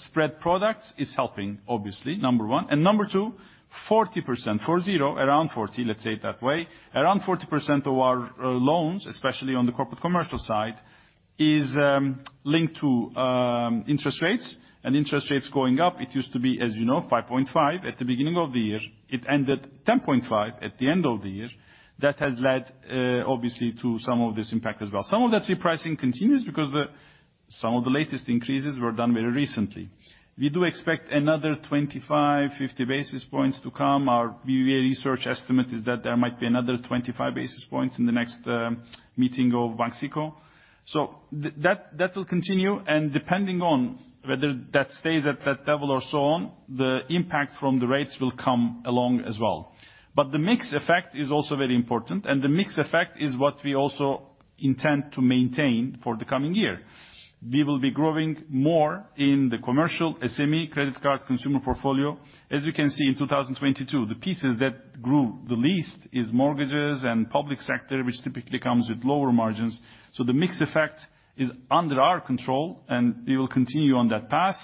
spread products is helping, obviously, number one. Number two, 40%, 4 0, around 40, let's say it that way. Around 40% of our loans, especially on the corporate commercial side, is linked to interest rates, and interest rates going up. It used to be, as you know, 5.5 at the beginning of the year. It ended 10.5 at the end of the year. That has led obviously to some of this impact as well. Some of that repricing continues because some of the latest increases were done very recently. We do expect another 25, 50 basis points to come. Our BBVA Research estimate is that there might be another 25 basis points in the next meeting of Banxico. That will continue. Depending on whether that stays at that level or so on, the impact from the rates will come along as well. The mix effect is also very important. The mix effect is what we also intend to maintain for the coming year. We will be growing more in the commercial SME credit card consumer portfolio. As you can see in 2022, the pieces that grew the least is mortgages and public sector, which typically comes with lower margins. The mix effect is under our control. We will continue on that path.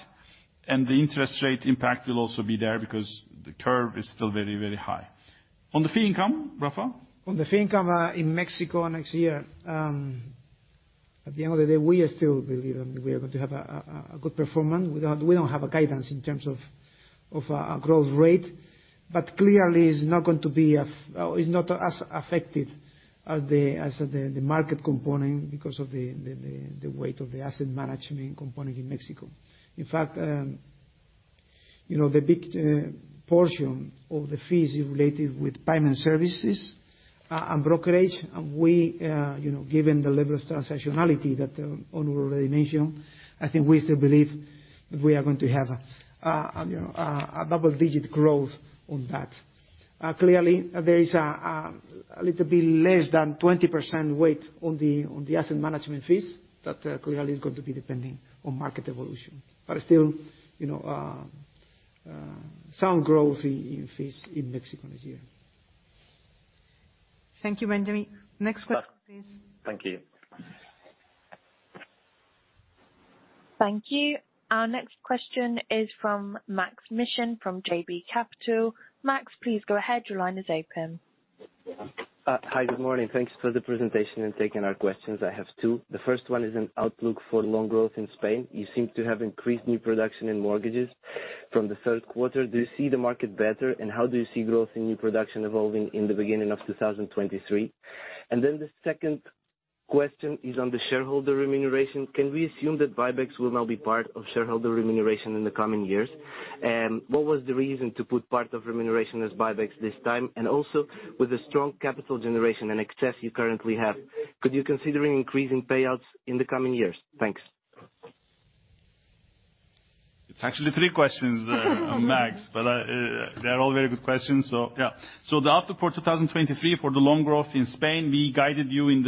The interest rate impact will also be there because the curve is still very, very high. On the fee income, Rafa? On the fee income in Mexico next year. At the end of the day, we still believe we are going to have a good performance. We don't have a guidance in terms of our growth rate. Clearly, it's not going to be or is not as affected as the market component because of the weight of the asset management component in Mexico. In fact, you know, the big portion of the fees related with payment services and brokerage. We, you know, given the level of transactionality that Onur already mentioned, I think we still believe we are going to have a double-digit growth on that. Clearly there is a little bit less than 20% weight on the asset management fees that clearly is going to be depending on market evolution. Still, you know, some growth in fees in Mexico this year. Thank you, Benjamin. Next question, please. Thank you. Thank you. Our next question is from Maksym Mishyn, from JB Capital Markets. Maks, please go ahead. Your line is open. Hi, good morning. Thanks for the presentation and taking our questions. I have two. The first one is an outlook for loan growth in Spain. You seem to have increased new production in mortgages from the third quarter. Do you see the market better? How do you see growth in new production evolving in the beginning of 2023? The second question is on the shareholder remuneration. Can we assume that buybacks will now be part of shareholder remuneration in the coming years? What was the reason to put part of remuneration as buybacks this time? Also, with the strong capital generation and excess you currently have, could you considering increasing payouts in the coming years? Thanks. It's actually three questions there Maks, but they're all very good questions. The outlook for 2023 for the loan growth in Spain, we guided you in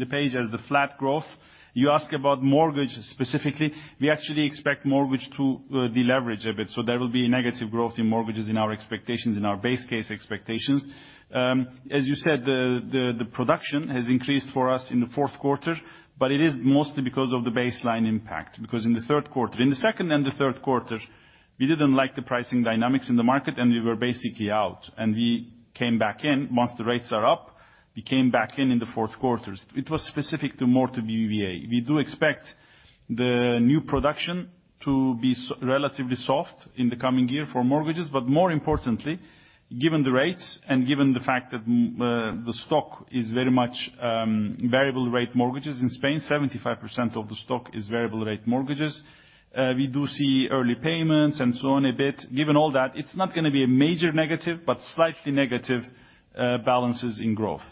the page as the flat growth. You ask about mortgage specifically. We actually expect mortgage to deleverage a bit. There will be negative growth in mortgages in our expectations, in our base case expectations. As you said, the production has increased for us in the fourth quarter, but it is mostly because of the baseline impact. In the second and the third quarters, we didn't like the pricing dynamics in the market, and we were basically out. We came back in. Once the rates are up, we came back in in the fourth quarters. It was specific to more to BBVA. We do expect the new production to be relatively soft in the coming year for mortgages. More importantly, given the rates and given the fact that the stock is very much, variable rate mortgages in Spain, 75% of the stock is variable rate mortgages, we do see early payments and so on a bit. Given all that, it's not gonna be a major negative, but slightly negative, balances in growth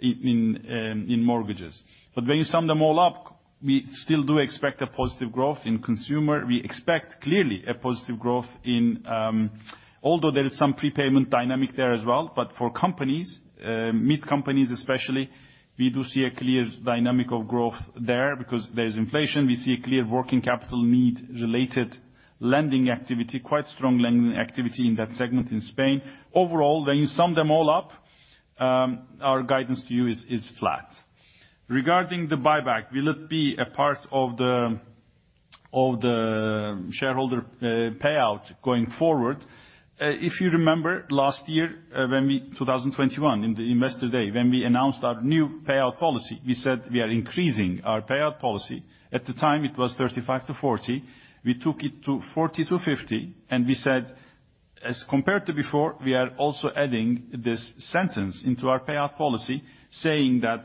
in mortgages. When you sum them all up, we still do expect a positive growth in consumer. We expect, clearly, a positive growth in, although there is some prepayment dynamic there as well. For companies, mid-companies especially, we do see a clear dynamic of growth there because there's inflation. We see a clear working capital need related lending activity, quite strong lending activity in that segment in Spain. Overall, when you sum them all up, our guidance to you is flat. Regarding the buyback, will it be a part of the shareholder payout going forward? If you remember last year, when we 2021, in the Investor Day, when we announced our new payout policy, we said we are increasing our payout policy. At the time, it was 35%-40%. We took it to 40%-50%, and we said, as compared to before, we are also adding this sentence into our payout policy, saying that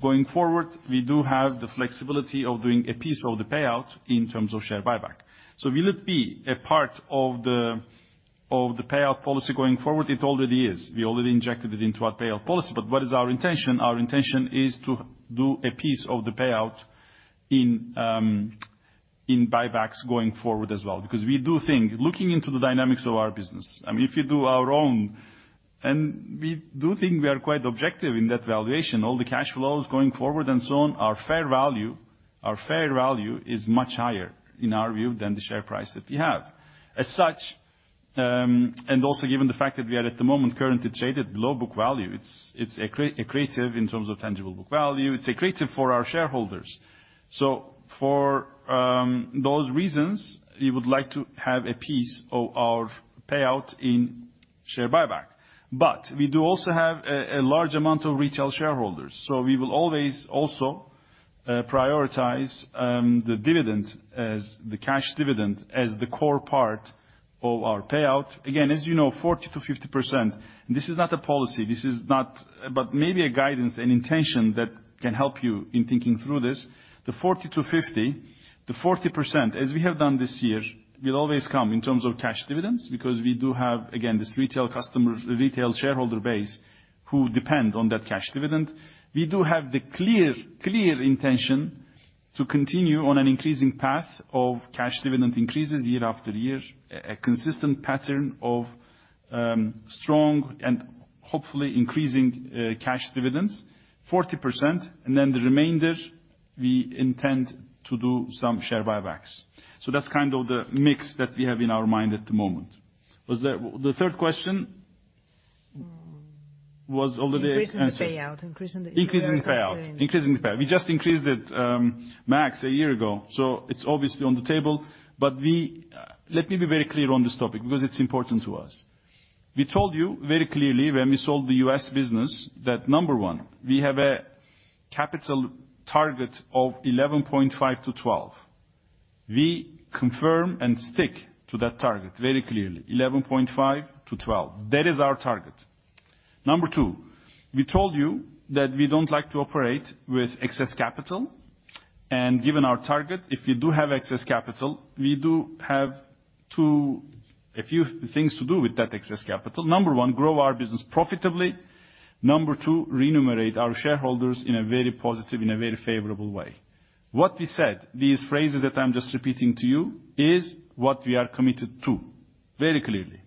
going forward, we do have the flexibility of doing a piece of the payout in terms of share buyback. Will it be a part of the payout policy going forward? It already is. We already injected it into our payout policy. What is our intention? Our intention is to do a piece of the payout in buybacks going forward as well. We do think, looking into the dynamics of our business. I mean, if you do our own, and we do think we are quite objective in that valuation, all the cash flows going forward and so on, our fair value, our fair value is much higher in our view than the share price that we have. As such, and also given the fact that we are at the moment currently traded below book value, it's accretive in terms of tangible book value. It's accretive for our shareholders. For those reasons, we would like to have a piece of our payout in share buyback. We do also have a large amount of retail shareholders, so we will always also prioritize the dividend as the cash dividend as the core part of our payout. Again, as you know, 40%-50%, this is not a policy. This is not. Maybe a guidance and intention that can help you in thinking through this. The 40%-50%, the 40%, as we have done this year, will always come in terms of cash dividends, because we do have, again, this retail shareholder base who depend on that cash dividend. We do have the clear intention to continue on an increasing path of cash dividend increases year after year, a consistent pattern of strong and hopefully increasing cash dividends, 40%, and then the remainder we intend to do some share buybacks. That's kind of the mix that we have in our mind at the moment. The third question was already answered. Increasing the payout, increasing. Increasing the payout. Increasing the payout. We just increased it, Maks, a year ago, so it's obviously on the table. Let me be very clear on this topic, because it's important to us. We told you very clearly when we sold the U.S. business that, Number one, we have a capital target of 11.5%-12%. We confirm and stick to that target very clearly, 11.5%-12%. That is our target. Number two, we told you that we don't like to operate with excess capital, and given our target, if you do have excess capital, we do have a few things to do with that excess capital. Number one, grow our business profitably. Number two, remunerate our shareholders in a very positive, in a very favorable way. What we said, these phrases that I'm just repeating to you, is what we are committed to very clearly.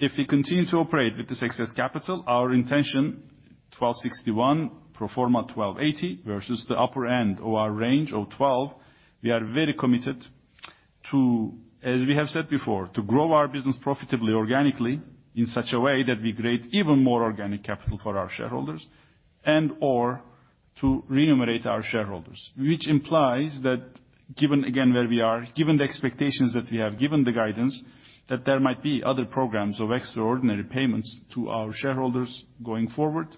If we continue to operate with this excess capital, our intention, 12.61%, pro forma 12.80%12% Versus the upper end of our range of 12, we are very committed to, as we have said before, to grow our business profitably, organically, in such a way that we create even more organic capital for our shareholders and/or to remunerate our shareholders. Given again where we are, given the expectations that we have, given the guidance, that there might be other programs of extraordinary payments to our shareholders going forward.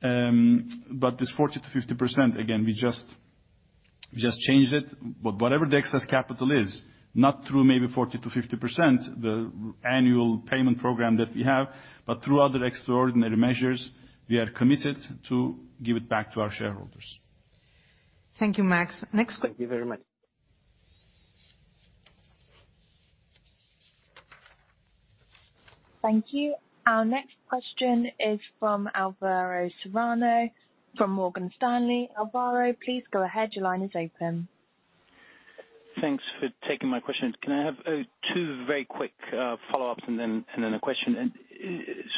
This 40%-50%, again, we just changed it. Whatever the excess capital is, not through maybe 40%-50% the annual payment program that we have, but through other extraordinary measures, we are committed to give it back to our shareholders. Thank you, Maks. Thank you very much. Thank you. Our next question is from Alvaro Serrano, from Morgan Stanley. Alvaro, please go ahead. Your line is open. Thanks for taking my questions. Can I have two very quick follow-ups and then a question?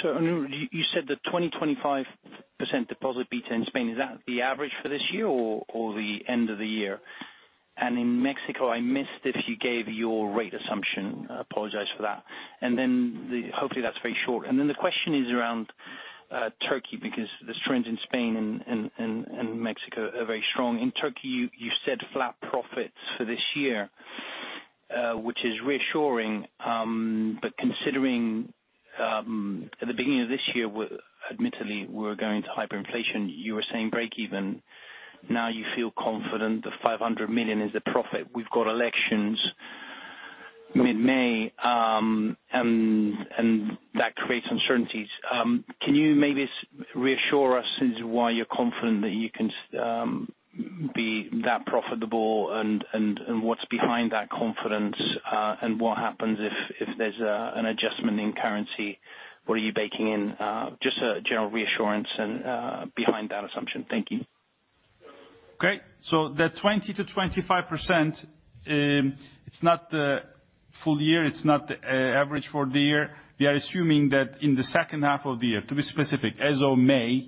Onur, you said that 20%-25% deposit beta in Spain, is that the average for this year or the end of the year? In Mexico, I missed if you gave your rate assumption. I apologize for that. Hopefully that's very short. The question is around Turkey, because the trends in Spain and Mexico are very strong. In Turkey, you said flat profits for this year, which is reassuring. Considering at the beginning of this year, admittedly we were going into hyperinflation, you were saying break even. Now you feel confident the 500 million is the profit. We've got elections mid-May, and that creates uncertainties. Can you maybe reassure us as why you're confident that you can be that profitable and what's behind that confidence? What happens if there's an adjustment in currency? What are you baking in? Just a general reassurance and behind that assumption. Thank you. Okay. The 20%-25%, it's not the full-year. It's not the average for the year. We are assuming that in the second half of the year, to be specific, as of May,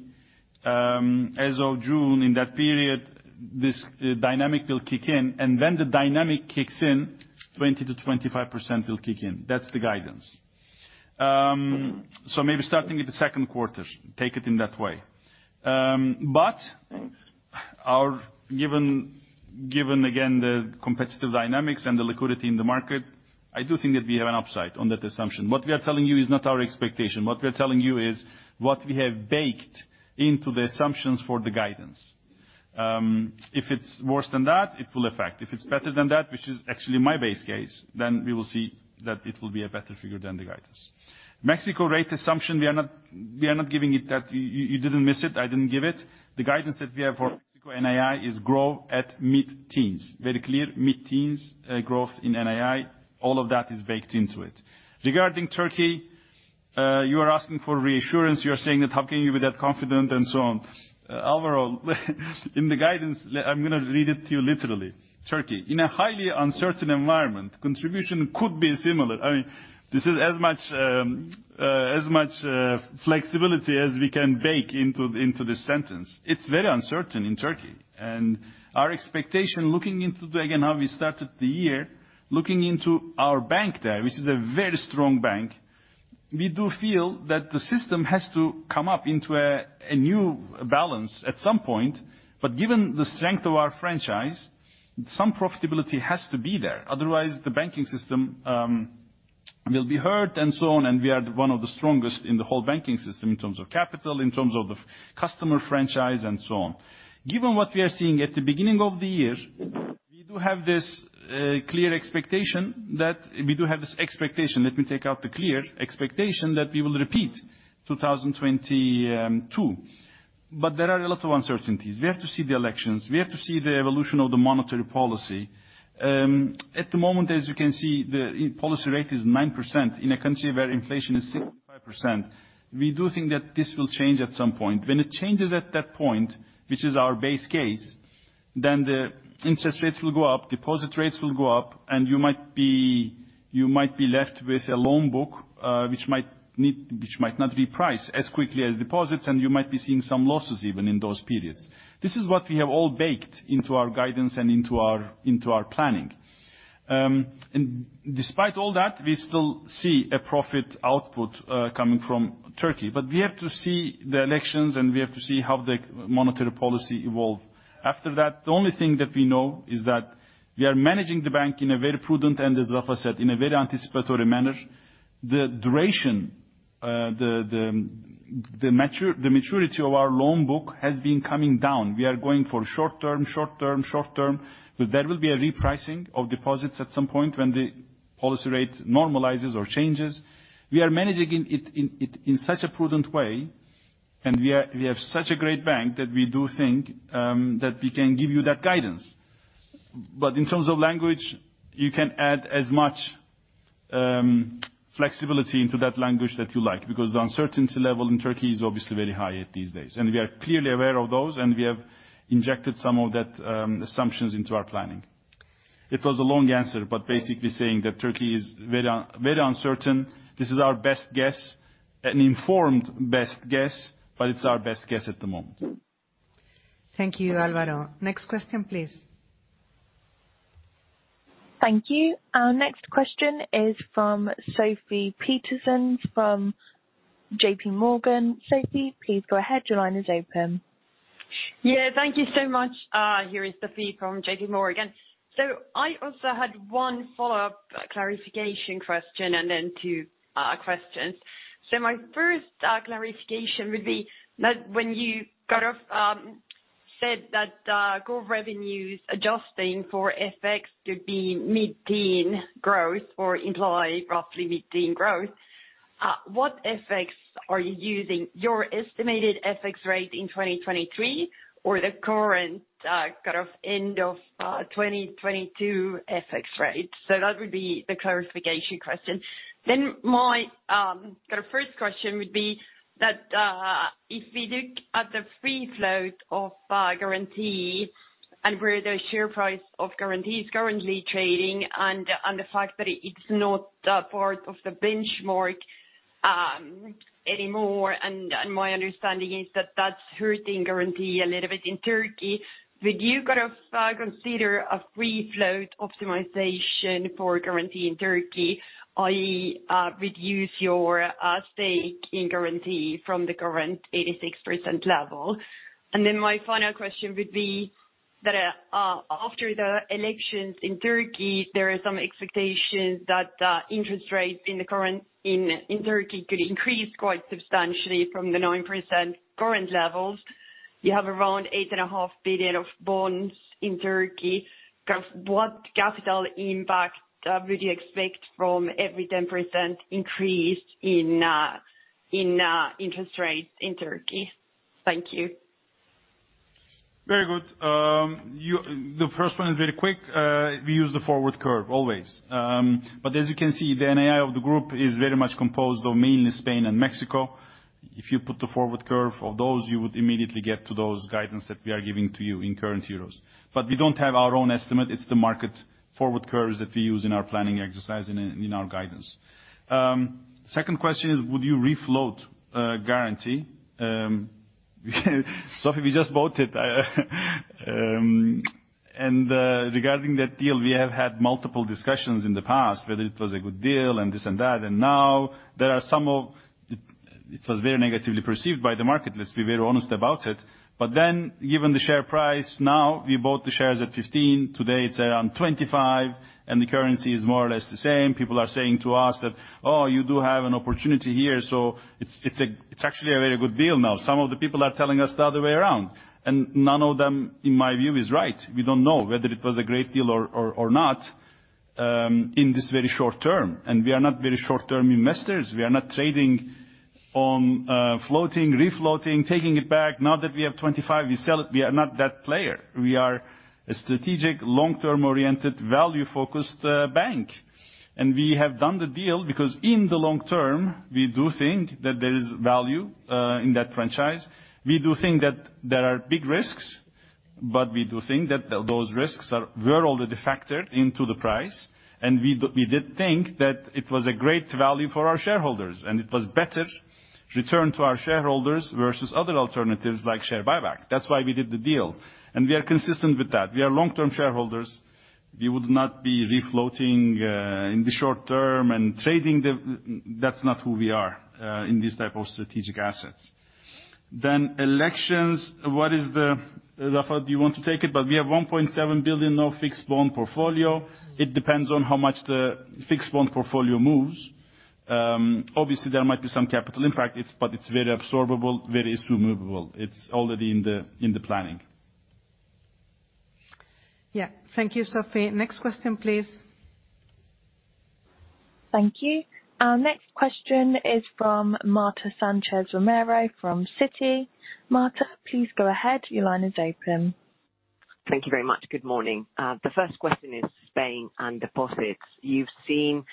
as of June, in that period, this dynamic will kick in. When the dynamic kicks in, 20%-25% will kick in. That's the guidance. Maybe starting in the second quarter, take it in that way. Our given again the competitive dynamics and the liquidity in the market, I do think that we have an upside on that assumption. What we are telling you is not our expectation. What we are telling you is what we have baked into the assumptions for the guidance. If it's worse than that, it will affect. If it's better than that, which is actually my base case, then we will see that it will be a better figure than the guidance. Mexico rate assumption, we are not giving it that. You didn't miss it, I didn't give it. The guidance that we have for Mexico NII is grow at mid-teens. Very clear, mid-teens, growth in NII. All of that is baked into it. Regarding Turkey, you are asking for reassurance. You are saying that how can you be that confident and so on. Alvaro, in the guidance, I'm gonna read it to you literally. Turkey, in a highly uncertain environment, contribution could be similar. I mean, this is as much flexibility as we can bake into this sentence. It's very uncertain in Turkey. Our expectation, looking into again how we started the year, looking into our bank there, which is a very strong bank, we do feel that the system has to come up into a new balance at some point. Given the strength of our franchise, some profitability has to be there. Otherwise, the banking system will be hurt and so on, and we are one of the strongest in the whole banking system in terms of capital, in terms of the customer franchise and so on. Given what we are seeing at the beginning of the year, we do have this expectation that we will repeat 2022. There are a lot of uncertainties. We have to see the elections. We have to see the evolution of the monetary policy. At the moment, as you can see, the policy rate is 9% in a country where inflation is 65%. We do think that this will change at some point. When it changes at that point, which is our base case, the interest rates will go up, deposit rates will go up, and you might be left with a loan book, which might not reprice as quickly as deposits, and you might be seeing some losses even in those periods. This is what we have all baked into our guidance and into our planning. Despite all that, we still see a profit output coming from Turkey. We have to see the elections, and we have to see how the monetary policy evolve. After that, the only thing that we know is that we are managing the bank in a very prudent and, as Rafa said, in a very anticipatory manner. The duration the maturity of our loan book has been coming down. We are going for short term, short term, short term. There will be a repricing of deposits at some point when the policy rate normalizes or changes. We are managing it, in such a prudent way, and we have such a great bank that we do think that we can give you that guidance. In terms of language, you can add as much flexibility into that language that you like, because the uncertainty level in Turkey is obviously very high these days. We are clearly aware of those, and we have injected some of that, assumptions into our planning. It was a long answer, but basically saying that Turkey is very uncertain. This is our best guess, an informed best guess, but it's our best guess at the moment. Thank you, Alvaro. Next question, please. Thank you. Our next question is from Sofie Peterzens from JPMorgan. Sophie, please go ahead. Your line is open. Yeah, thank you so much. Here is Sofie from JPMorgan. I also had one follow-up clarification question and then two questions. My first clarification would be that when you kind of said that core revenues adjusting for effects could be mid-teen growth or imply roughly mid-teen growth, what effects are you using? Your estimated FX rate in 2023 or the current kind of end of 2022 FX rate? That would be the clarification question. My kind of first question would be that if we look at the free float of Garanti and where the share price of Garanti is currently trading and the fact that it's not a part of the benchmark anymore, and my understanding is that that's hurting Garanti a little bit in Turkey. Would you kind of consider a free float optimization for Garanti in Turkey, i.e., reduce your stake in Garanti from the current 86% level? My final question would be that after the elections in Turkey, there are some expectations that interest rates in Turkey could increase quite substantially from the 9% current levels. You have around 8.5 billion of bonds in Turkey. Kind of what capital impact would you expect from every 10% increase in interest rates in Turkey? Thank you. Very good. The first one is very quick. We use the forward curve always. As you can see, the NII of the group is very much composed of mainly Spain and Mexico. If you put the forward curve of those, you would immediately get to those guidance that we are giving to you in current euros. We don't have our own estimate. It's the market forward curves that we use in our planning exercise and in our guidance. Second question is, would you refloat Garanti? Sofie, we just bought it. Regarding that deal, we have had multiple discussions in the past, whether it was a good deal and this and that. Now it was very negatively perceived by the market, let's be very honest about it. Given the share price, now we bought the shares at 15, today it's around 25, and the currency is more or less the same. People are saying to us that, "Oh, you do have an opportunity here." It's actually a very good deal now. Some of the people are telling us the other way around, and none of them, in my view, is right. We don't know whether it was a great deal or not in this very short term. We are not very short-term investors. We are not trading on floating, refloating, taking it back. Now that we have 25, we sell it. We are not that player. We are a strategic, long-term oriented, value-focused bank. We have done the deal because in the long term, we do think that there is value in that franchise. We do think that there are big risks, but we do think that those risks were already factored into the price. We did think that it was a great value for our shareholders, and it was better return to our shareholders versus other alternatives like share buyback. That's why we did the deal. We are consistent with that. We are long-term shareholders. We would not be refloating in the short term and trading the. That's not who we are in this type of strategic assets. Elections, what is the Rafael, do you want to take it? We have 1.7 billion of fixed bond portfolio. It depends on how much the fixed bond portfolio moves. Obviously, there might be some capital impact. It's very absorbable, very issue movable. It's already in the planning. Yeah. Thank you, Sofie. Next question, please. Thank you. Our next question is from Marta Sánchez Romero from Citi. Marta, please go ahead. Your line is open. Thank you very much. Good morning. The first question is Spain and deposits. You've seen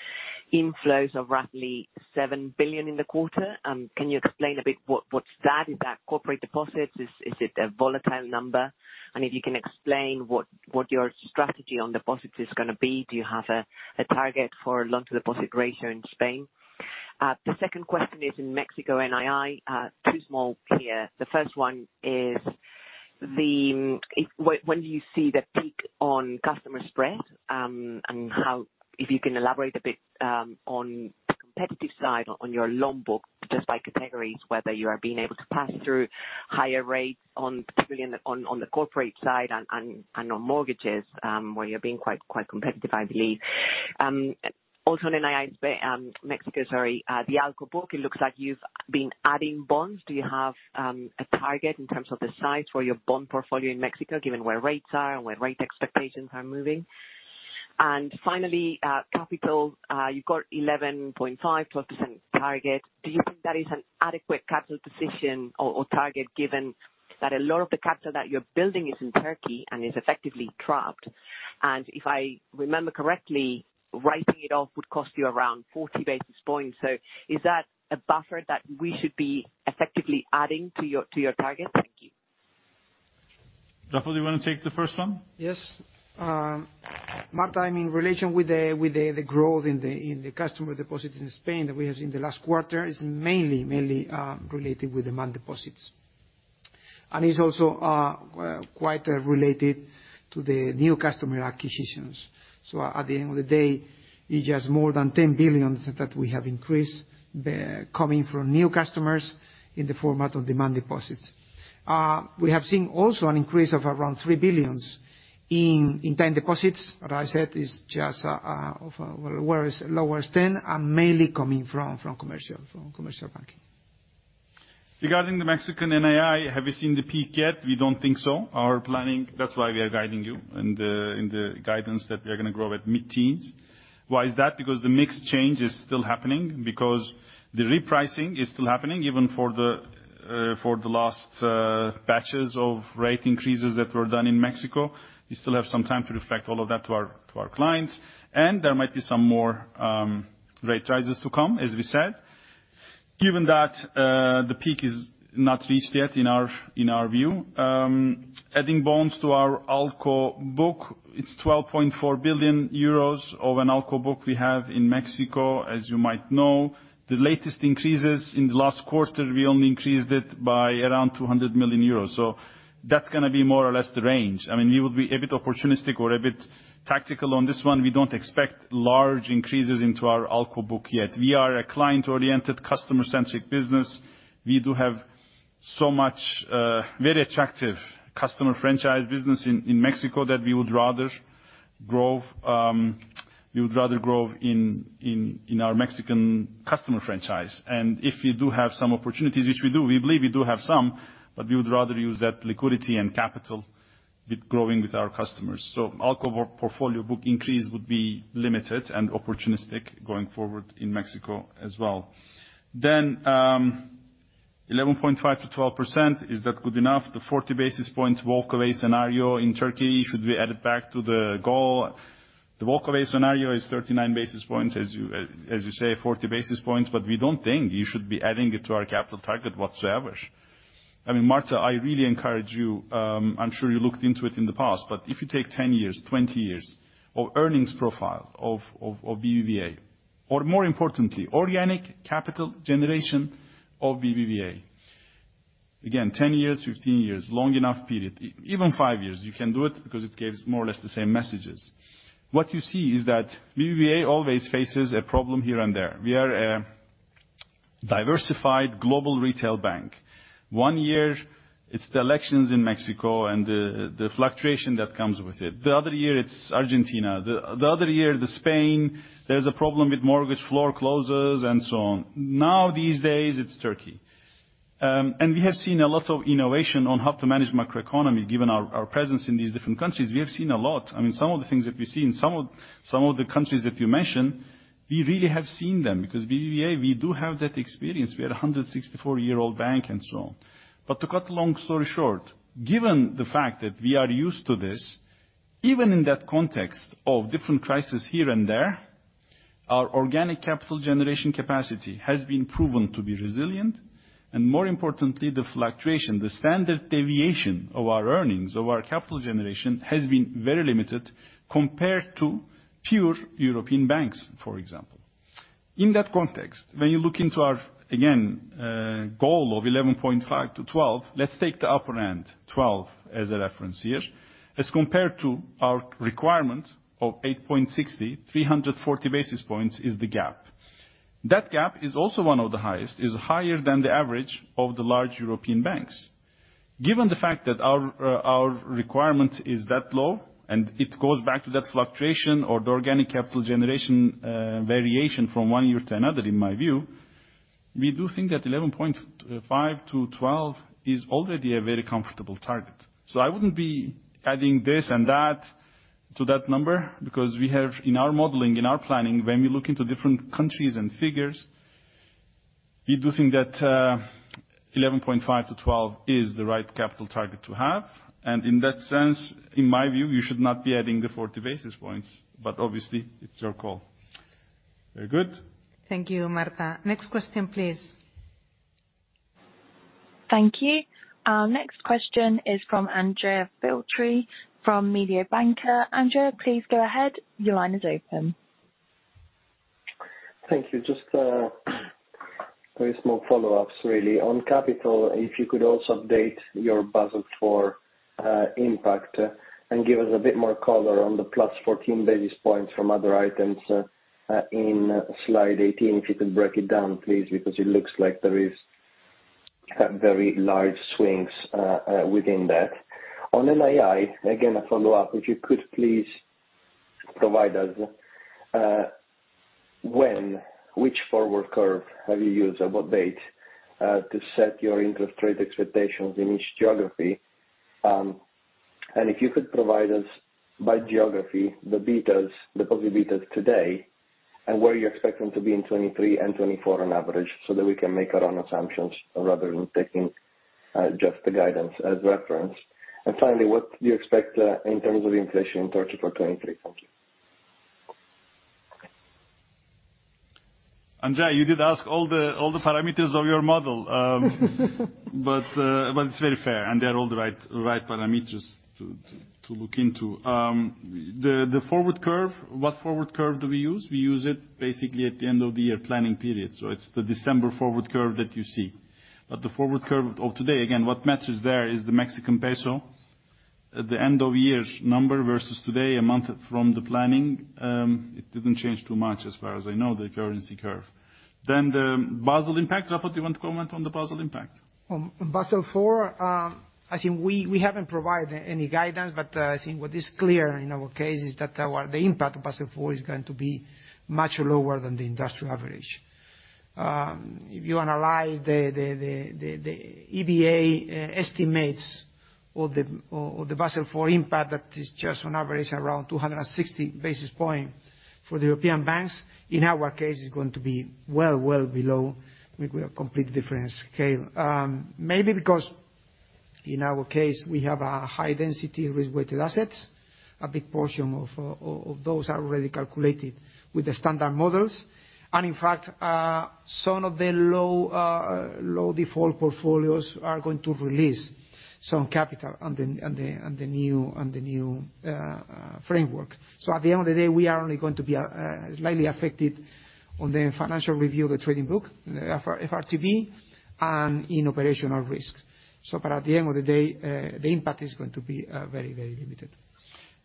inflows of roughly 7 billion in the quarter. Can you explain a bit what's that? Is that corporate deposits? Is it a volatile number? If you can explain what your strategy on deposits is gonna be. Do you have a target for loan-to-deposit ratio in Spain? The second question is in Mexico NII, two small clear. The first one is when do you see the peak on customer spread and how—if you can elaborate a bit on the competitive side on your loan book just by categories, whether you are being able to pass through higher rates on, particularly on the corporate side and on mortgages, where you're being quite competitive, I believe. Also on NIIs, Mexico, sorry. The ALCO book, it looks like you've been adding bonds. Do you have a target in terms of the size for your bond portfolio in Mexico, given where rates are and where rate expectations are moving? Finally, capital. You've got 11.5%-12% target. Do you think that is an adequate capital position or target, given that a lot of the capital that you're building is in Turkey and is effectively trapped? If I remember correctly, writing it off would cost you around 40 basis points. Is that a buffer that we should be effectively adding to your, to your target? Thank you. Rafael, do you want to take the first one? Yes. Marta, in relation with the growth in the customer deposits in Spain that we had in the last quarter is mainly related with demand deposits. It's also quite related to the new customer acquisitions. At the end of the day, it's just more than 10 billion that we have increased coming from new customers in the format of demand deposits. We have seen also an increase of around 3 billion in term deposits. What I said is just, whereas lower than 10 are mainly coming from commercial banking. Regarding the Mexican NII, have you seen the peak yet? We don't think so. Our planning, that's why we are guiding you in the guidance that we are gonna grow at mid-teens. Why is that? The mix change is still happening. The repricing is still happening, even for the last batches of rate increases that were done in Mexico. We still have some time to reflect all of that to our clients, and there might be some more rate rises to come, as we said. Given that, the peak is not reached yet in our view, adding bonds to our ALCO book, it's 12.4 billion euros of an ALCO book we have in Mexico, as you might know. The latest increases in the last quarter, we only increased it by around 200 million euros. That's gonna be more or less the range. I mean, we will be a bit opportunistic or a bit tactical on this one. We don't expect large increases into our ALCO book yet. We are a client-oriented, customer-centric business. We do have so much very attractive customer franchise business in Mexico that we would rather grow, we would rather grow in our Mexican customer franchise. If we do have some opportunities, which we do, we believe we do have some, but we would rather use that liquidity and capital with growing with our customers. ALCO portfolio book increase would be limited and opportunistic going forward in Mexico as well. 11.5%-12%, is that good enough? The 40 basis points walkaway scenario in Turkey, should we add it back to the goal? The walkaway scenario is 39 basis points, as you say, 40 basis points. We don't think you should be adding it to our capital target whatsoever. I mean, Marta, I really encourage you, I'm sure you looked into it in the past. If you take 10 years, 20 years of earnings profile of BBVA, or more importantly, organic capital generation of BBVA. Again, 10 years, 15 years, long enough period. Even five years, you can do it, because it gives more or less the same messages. What you see is that BBVA always faces a problem here and there. We are a diversified global retail bank. One year, it's the elections in Mexico and the fluctuation that comes with it. The other year, it's Argentina. The other year, Spain, there is a problem with mortgage floor clauses and so on. Now these days, it's Turkey. We have seen a lot of innovation on how to manage macroeconomy, given our presence in these different countries. We have seen a lot. I mean, some of the things that we've seen, some of the countries that you mentioned, we really have seen them, because BBVA, we do have that experience. We are a 164-year-old bank and so on. To cut a long story short, given the fact that we are used to this, even in that context of different crisis here and there, our organic capital generation capacity has been proven to be resilient. More importantly, the fluctuation, the standard deviation of our earnings, of our capital generation, has been very limited compared to pure European banks, for example. In that context, when you look into our, again, goal of 11.5%-12%. Let’s take the upper end, 12%, as a reference here, as compared to our requirement of 8.60%, 340 basis points is the gap. That gap is also one of the highest. It's higher than the average of the large European banks. Given the fact that our requirement is that low, and it goes back to that fluctuation or the organic capital generation variation from one year to another, in my view, we do think that 11.5%-12% is already a very comfortable target. I wouldn't be adding this and that to that number because we have in our modeling, in our planning, when we look into different countries and figures, we do think that 11.5%-12% is the right capital target to have. In that sense, in my view, you should not be adding the 40 basis points. Obviously, it's your call. Very good. Thank you, Marta. Next question, please. Thank you. Our next question is from Andrea Filtri from Mediobanca. Andrea, please go ahead. Your line is open. Thank you. Just very small follow-ups really. On capital, if you could also update your Basel IV impact and give us a bit more color on the +14 basis points from other items in slide 18. If you could break it down, please, because it looks like there have very large swings within that. On NII, again, a follow-up, if you could please provide us which forward curve have you used, at what date, to set your interest rate expectations in each geography? If you could provide us by geography, the betas, the public betas today, and where you expect them to be in 2023 and 2024 on average, so that we can make our own assumptions rather than taking just the guidance as reference. Finally, what do you expect, in terms of inflation in Turkey for 2023? Thank you. Andrea, you did ask all the parameters of your model. It's very fair, and they're all the right parameters to look into. The forward curve, what forward curve do we use? We use it basically at the end of the year planning period, so it's the December forward curve that you see. The forward curve of today, again, what matters there is the Mexican peso. At the end of year's number versus today, a month from the planning, it didn't change too much as far as I know, the currency curve. The Basel impact. Rafael, do you want to comment on the Basel impact? On Basel IV, I think we haven't provided any guidance, but I think what is clear in our case is that our the impact of Basel IV is going to be much lower than the industrial average. If you analyze the EBA estimates or the Basel IV impact, that is just on average around 260 basis points for the European banks. In our case, it's going to be well, well below, with a complete different scale. Maybe because in our case, we have a high density risk-weighted assets. A big portion of those are already calculated with the standard models. In fact, some of the low default portfolios are going to release some capital on the new framework. At the end of the day, we are only going to be slightly affected on the financial review of the trading book, the FRTB, and in operational risk. At the end of the day, the impact is going to be very, very limited.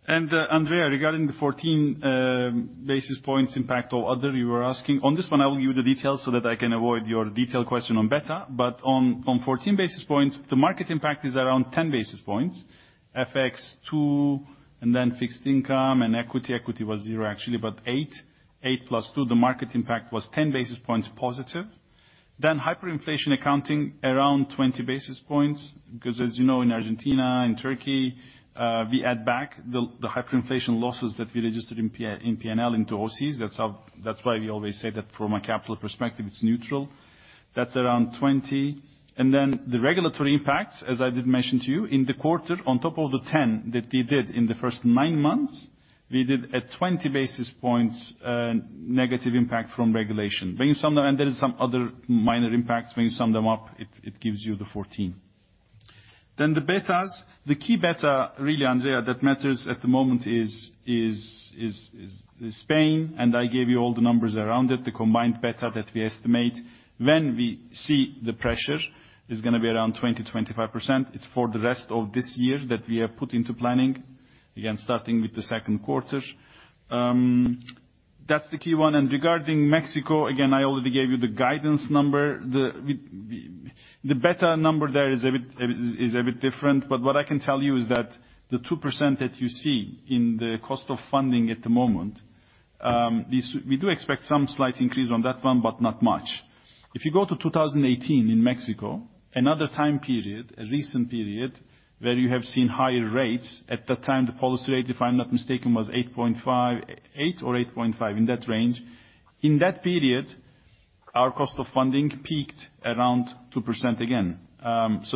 Andrea, regarding the 14 basis points impact or other, you were asking. On this one, I will give you the details so that I can avoid your detailed question on beta. On 14 basis points, the market impact is around 10 basis points. FX, 2, and then fixed income and equity. Equity was 0, actually, but 8. 8 + 2, the market impact was 10 basis points positive. Hyperinflation accounting, around 20 basis points. As you know, in Argentina, in Turkey, we add back the hyperinflation losses that we registered in P&L into OCI. That's why we always say that from a capital perspective, it's neutral. That's around 20. The regulatory impact, as I did mention to you, in the quarter, on top of the 10 that we did in the first nine months, we did a 20 basis points negative impact from regulation. There is some other minor impacts. When you sum them up, it gives you the 14. The betas. The key beta, really, Andrea, that matters at the moment is Spain, and I gave you all the numbers around it, the combined beta that we estimate. When we see the pressure is going to be around 20%-25%. It's for the rest of this year that we have put into planning. Starting with the second quarter. That's the key one. Regarding Mexico, again, I already gave you the guidance number. The beta number there is a bit different. What I can tell you is that the 2% that you see in the cost of funding at the moment, we do expect some slight increase on that one, but not much. If you go to 2018 in Mexico, another time period, a recent period, where you have seen higher rates. At that time, the policy rate, if I'm not mistaken, was 8.5, 8%-8.5%, in that range. In that period, our cost of funding peaked around 2% again.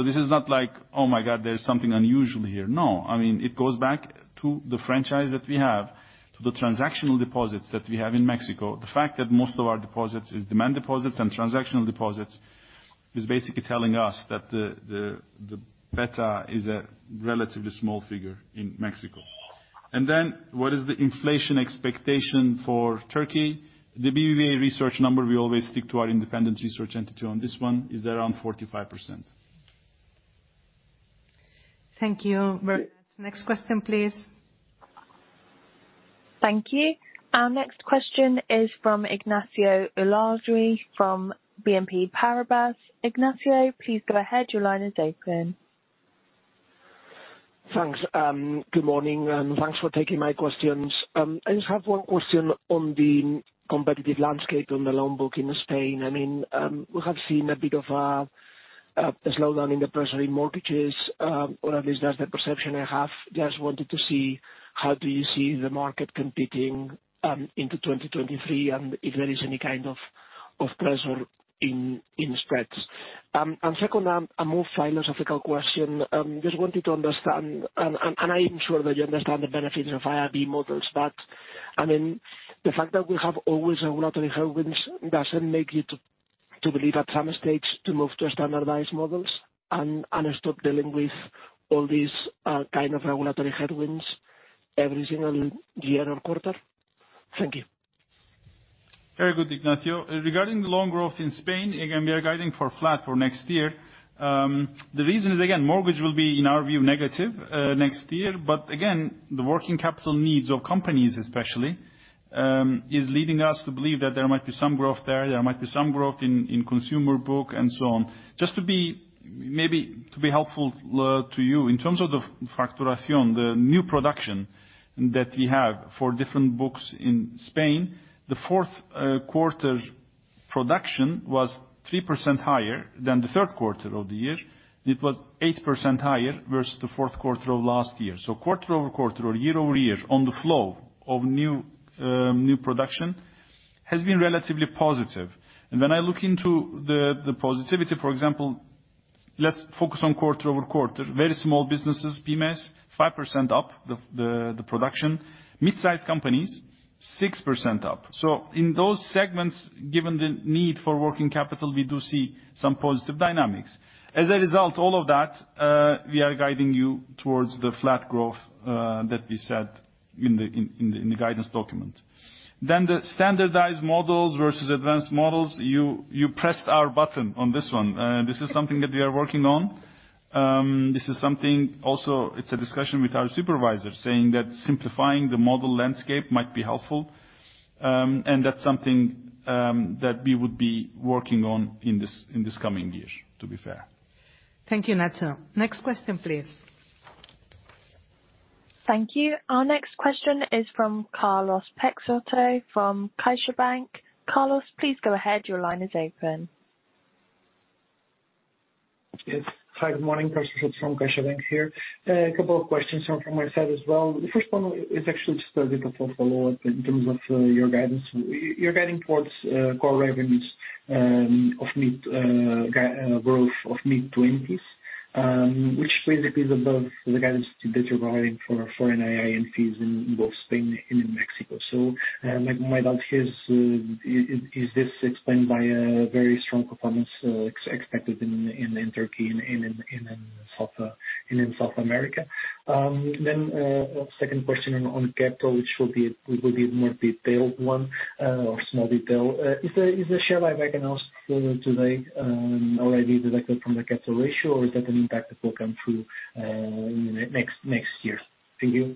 This is not like, "Oh, my God, there is something unusual here." I mean, it goes back to the franchise that we have, to the transactional deposits that we have in Mexico. The fact that most of our deposits is demand deposits and transactional deposits, is basically telling us that the beta is a relatively small figure in Mexico. What is the inflation expectation for Turkey? The BBVA Research number, we always stick to our independent research entity on this one, is around 45%. Thank you very much. Next question, please. Thank you. Our next question is from Ignacio Ulargui from BNP Paribas. Ignacio, please go ahead. Your line is open. Thanks. Good morning, and thanks for taking my questions. I just have one question on the competitive landscape on the loan book in Spain. I mean, we have seen a bit of a slowdown in the personal mortgages, or at least that's the perception I have. Just wanted to see how do you see the market competing into 2023 and if there is any kind of pressure in spreads. Second, a more philosophical question. Just wanted to understand, and I am sure that you understand the benefits of IRB models, but, I mean, the fact that we have always regulatory headwinds doesn't make you to believe at some stage to move to standardized models and stop dealing with all these kind of regulatory headwinds every single year or quarter. Thank you. Very good, Ignacio. Regarding the loan growth in Spain, again, we are guiding for flat for next year. The reason is, again, mortgage will be, in our view, negative next year. Again, the working capital needs of companies especially, is leading us to believe that there might be some growth there might be some growth in consumer book and so on. Just to be helpful to you, in terms of the facturación, the new production that we have for different books in Spain, the fourth quarter's production was 3% higher than the third quarter of the year. It was 8% higher versus the fourth quarter of last year. Quarter-over-quarter or year-over-year on the flow of new production has been relatively positive. When I look into the positivity, for example, let's focus on quarter-over-quarter. Very small businesses, PMFs, 5% up the production. Mid-sized companies, 6% up. In those segments, given the need for working capital, we do see some positive dynamics. As a result, all of that, we are guiding you towards the flat growth that we set in the guidance document. The standardized models versus advanced models, you pressed our button on this one. This is something that we are working on. This is something also it's a discussion with our supervisors, saying that simplifying the model landscape might be helpful. That's something that we would be working on in this coming year, to be fair. Thank you, Nadja. Next question, please. Thank you. Our next question is from Carlos Peixoto from CaixaBank. Carlos, please go ahead. Your line is open. Yes. Hi, good morning. Carlos Peixoto from CaixaBank here. A couple of questions from my side as well. The first one is actually just a bit of a follow-up in terms of your guidance. You're guiding towards core revenues of mid-20s growth, which basically is above the guidance that you're providing for NII and fees in both Spain and in Mexico. My doubt here is this explained by a very strong performance expected in Turkey and in South America? Second question on capital, which will be more detailed one or small detail. Is the share buyback announced today already deducted from the capital ratio or is that an impact that will come through next year? Thank you.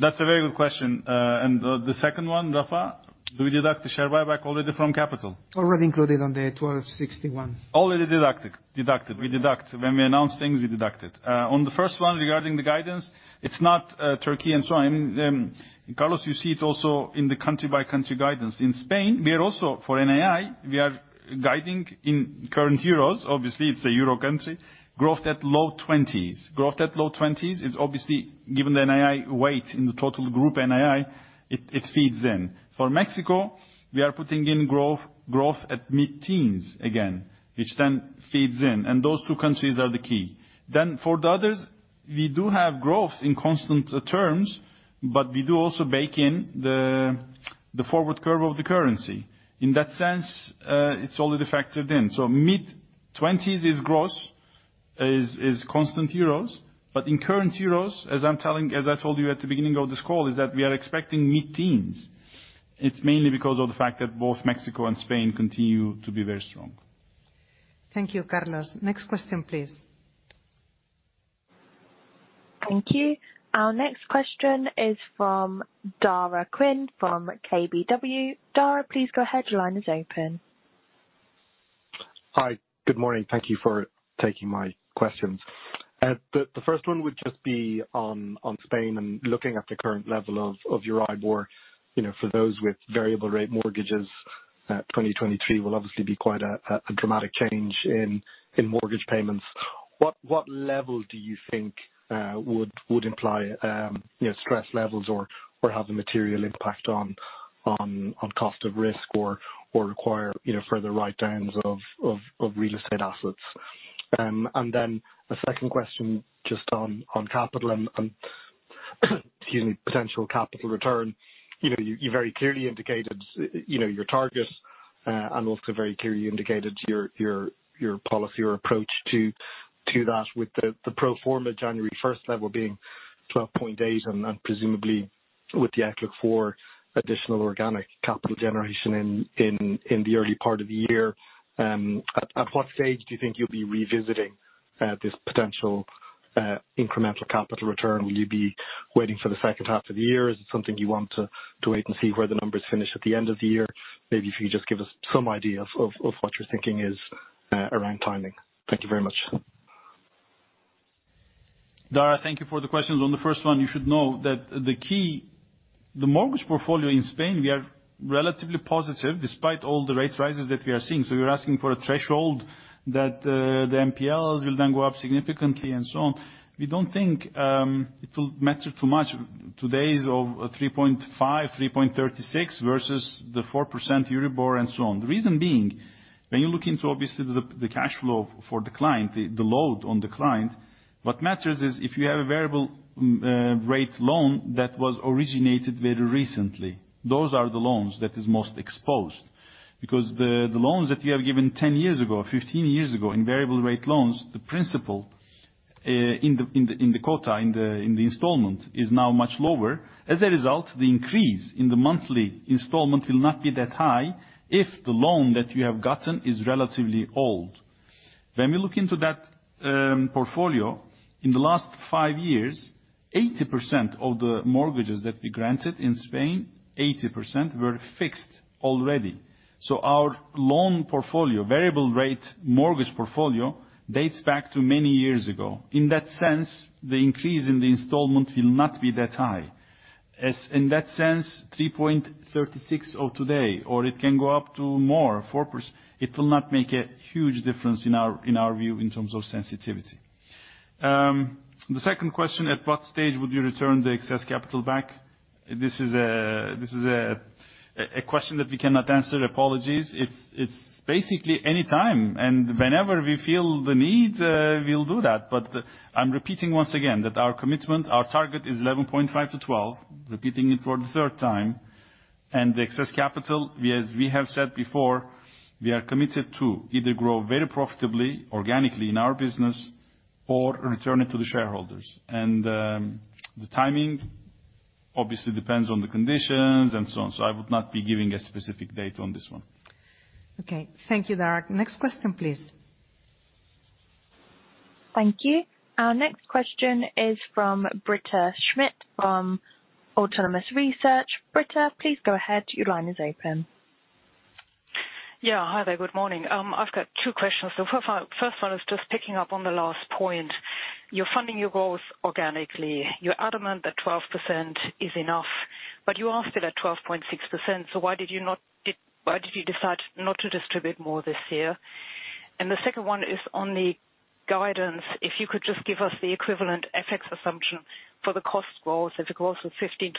That's a very good question. The second one, Rafa, do we deduct the share buyback already from capital? Already included on the 12.61. Already deducted. Deducted. We deduct. When we announce things, we deduct it. On the first one, regarding the guidance, it's not Turkey and so on. I mean, Carlos, you see it also in the country by country guidance. In Spain, we are also, for NII, we are guiding in current euros, obviously it's a euro country, growth at low 20s. Growth at low twenties is obviously, given the NII weight in the total group NII, it feeds in. For Mexico, we are putting in growth at mid-teens again, which then feeds in. Those two countries are the key. For the others, we do have growth in constant terms, but we do also bake in the forward curve of the currency. In that sense, it's already factored in. Mid-20s is gross, is constant euros. In current euros, as I told you at the beginning of this call, is that we are expecting mid-teens. It's mainly because of the fact that both Mexico and Spain continue to be very strong. Thank you, Carlos. Next question, please. Thank you. Our next question is from Daragh Quinn from KBW. Dara, please go ahead. Your line is open. Hi. Good morning. Thank you for taking my questions. The first one would just be on Spain and looking at the current level of your IBOR, you know, for those with variable rate mortgages, 2023 will obviously be quite a dramatic change in mortgage payments. What level do you think would imply, you know, stress levels or have a material impact on cost of risk or require, you know, further write-downs of real estate assets? Then a second question just on capital and excuse me, potential capital return. You know, you very clearly indicated, you know, your targets, and also very clearly indicated your policy or approach to that with the pro forma January 1st level being 12.8% and presumably with the outlook for additional organic capital generation in the early part of the year. At what stage do you think you'll be revisiting this potential incremental capital return? Will you be waiting for the second half of the year? Is it something you want to wait and see where the numbers finish at the end of the year? Maybe if you just give us some idea of what your thinking is around timing. Thank you very much. Daragh, thank you for the questions. On the first one, you should know that the mortgage portfolio in Spain, we are relatively positive despite all the rate rises that we are seeing. You're asking for a threshold that the NPLs will then go up significantly and so on. We don't think it will matter too much. Today is of 3.5%, 3.36% versus the 4% Euribor and so on. The reason being, when you look into obviously the cash flow for the client, the load on the client, what matters is if you have a variable rate loan that was originated very recently, those are the loans that is most exposed. The loans that you have given 10 years ago, 15 years ago in variable rate loans, the principal, in the quota, in the installment, is now much lower. The increase in the monthly installment will not be that high if the loan that you have gotten is relatively old. When we look into that portfolio, in the last five years, 80% of the mortgages that we granted in Spain, 80% were fixed already. Our loan portfolio, variable rate mortgage portfolio, dates back to many years ago. In that sense, the increase in the installment will not be that high. In that sense, 3.36% of today, or it can go up to more, 4%, it will not make a huge difference in our, in our view, in terms of sensitivity. The second question, at what stage would you return the excess capital back? This is a question that we cannot answer. Apologies. It's basically any time, and whenever we feel the need, we'll do that. I'm repeating once again that our commitment, our target is 11.%12%. Repeating it for the third time. The excess capital, we have said before, we are committed to either grow very profitably, organically in our business or return it to the shareholders. The timing obviously depends on the conditions and so on. I would not be giving a specific date on this one. Okay. Thank you, Daragh. Next question, please. Thank you. Our next question is from Britta Schmidt from Autonomous Research. Britta, please go ahead. Your line is open. Yeah. Hi there. Good morning. I've got two questions. First one is just picking up on the last point. You're funding your goals organically. You're adamant that 12% is enough, but you are still at 12.6%, so why did you decide not to distribute more this year? The second one is on the guidance. If you could just give us the equivalent FX assumption for the cost growth. If it grows to 15%-16%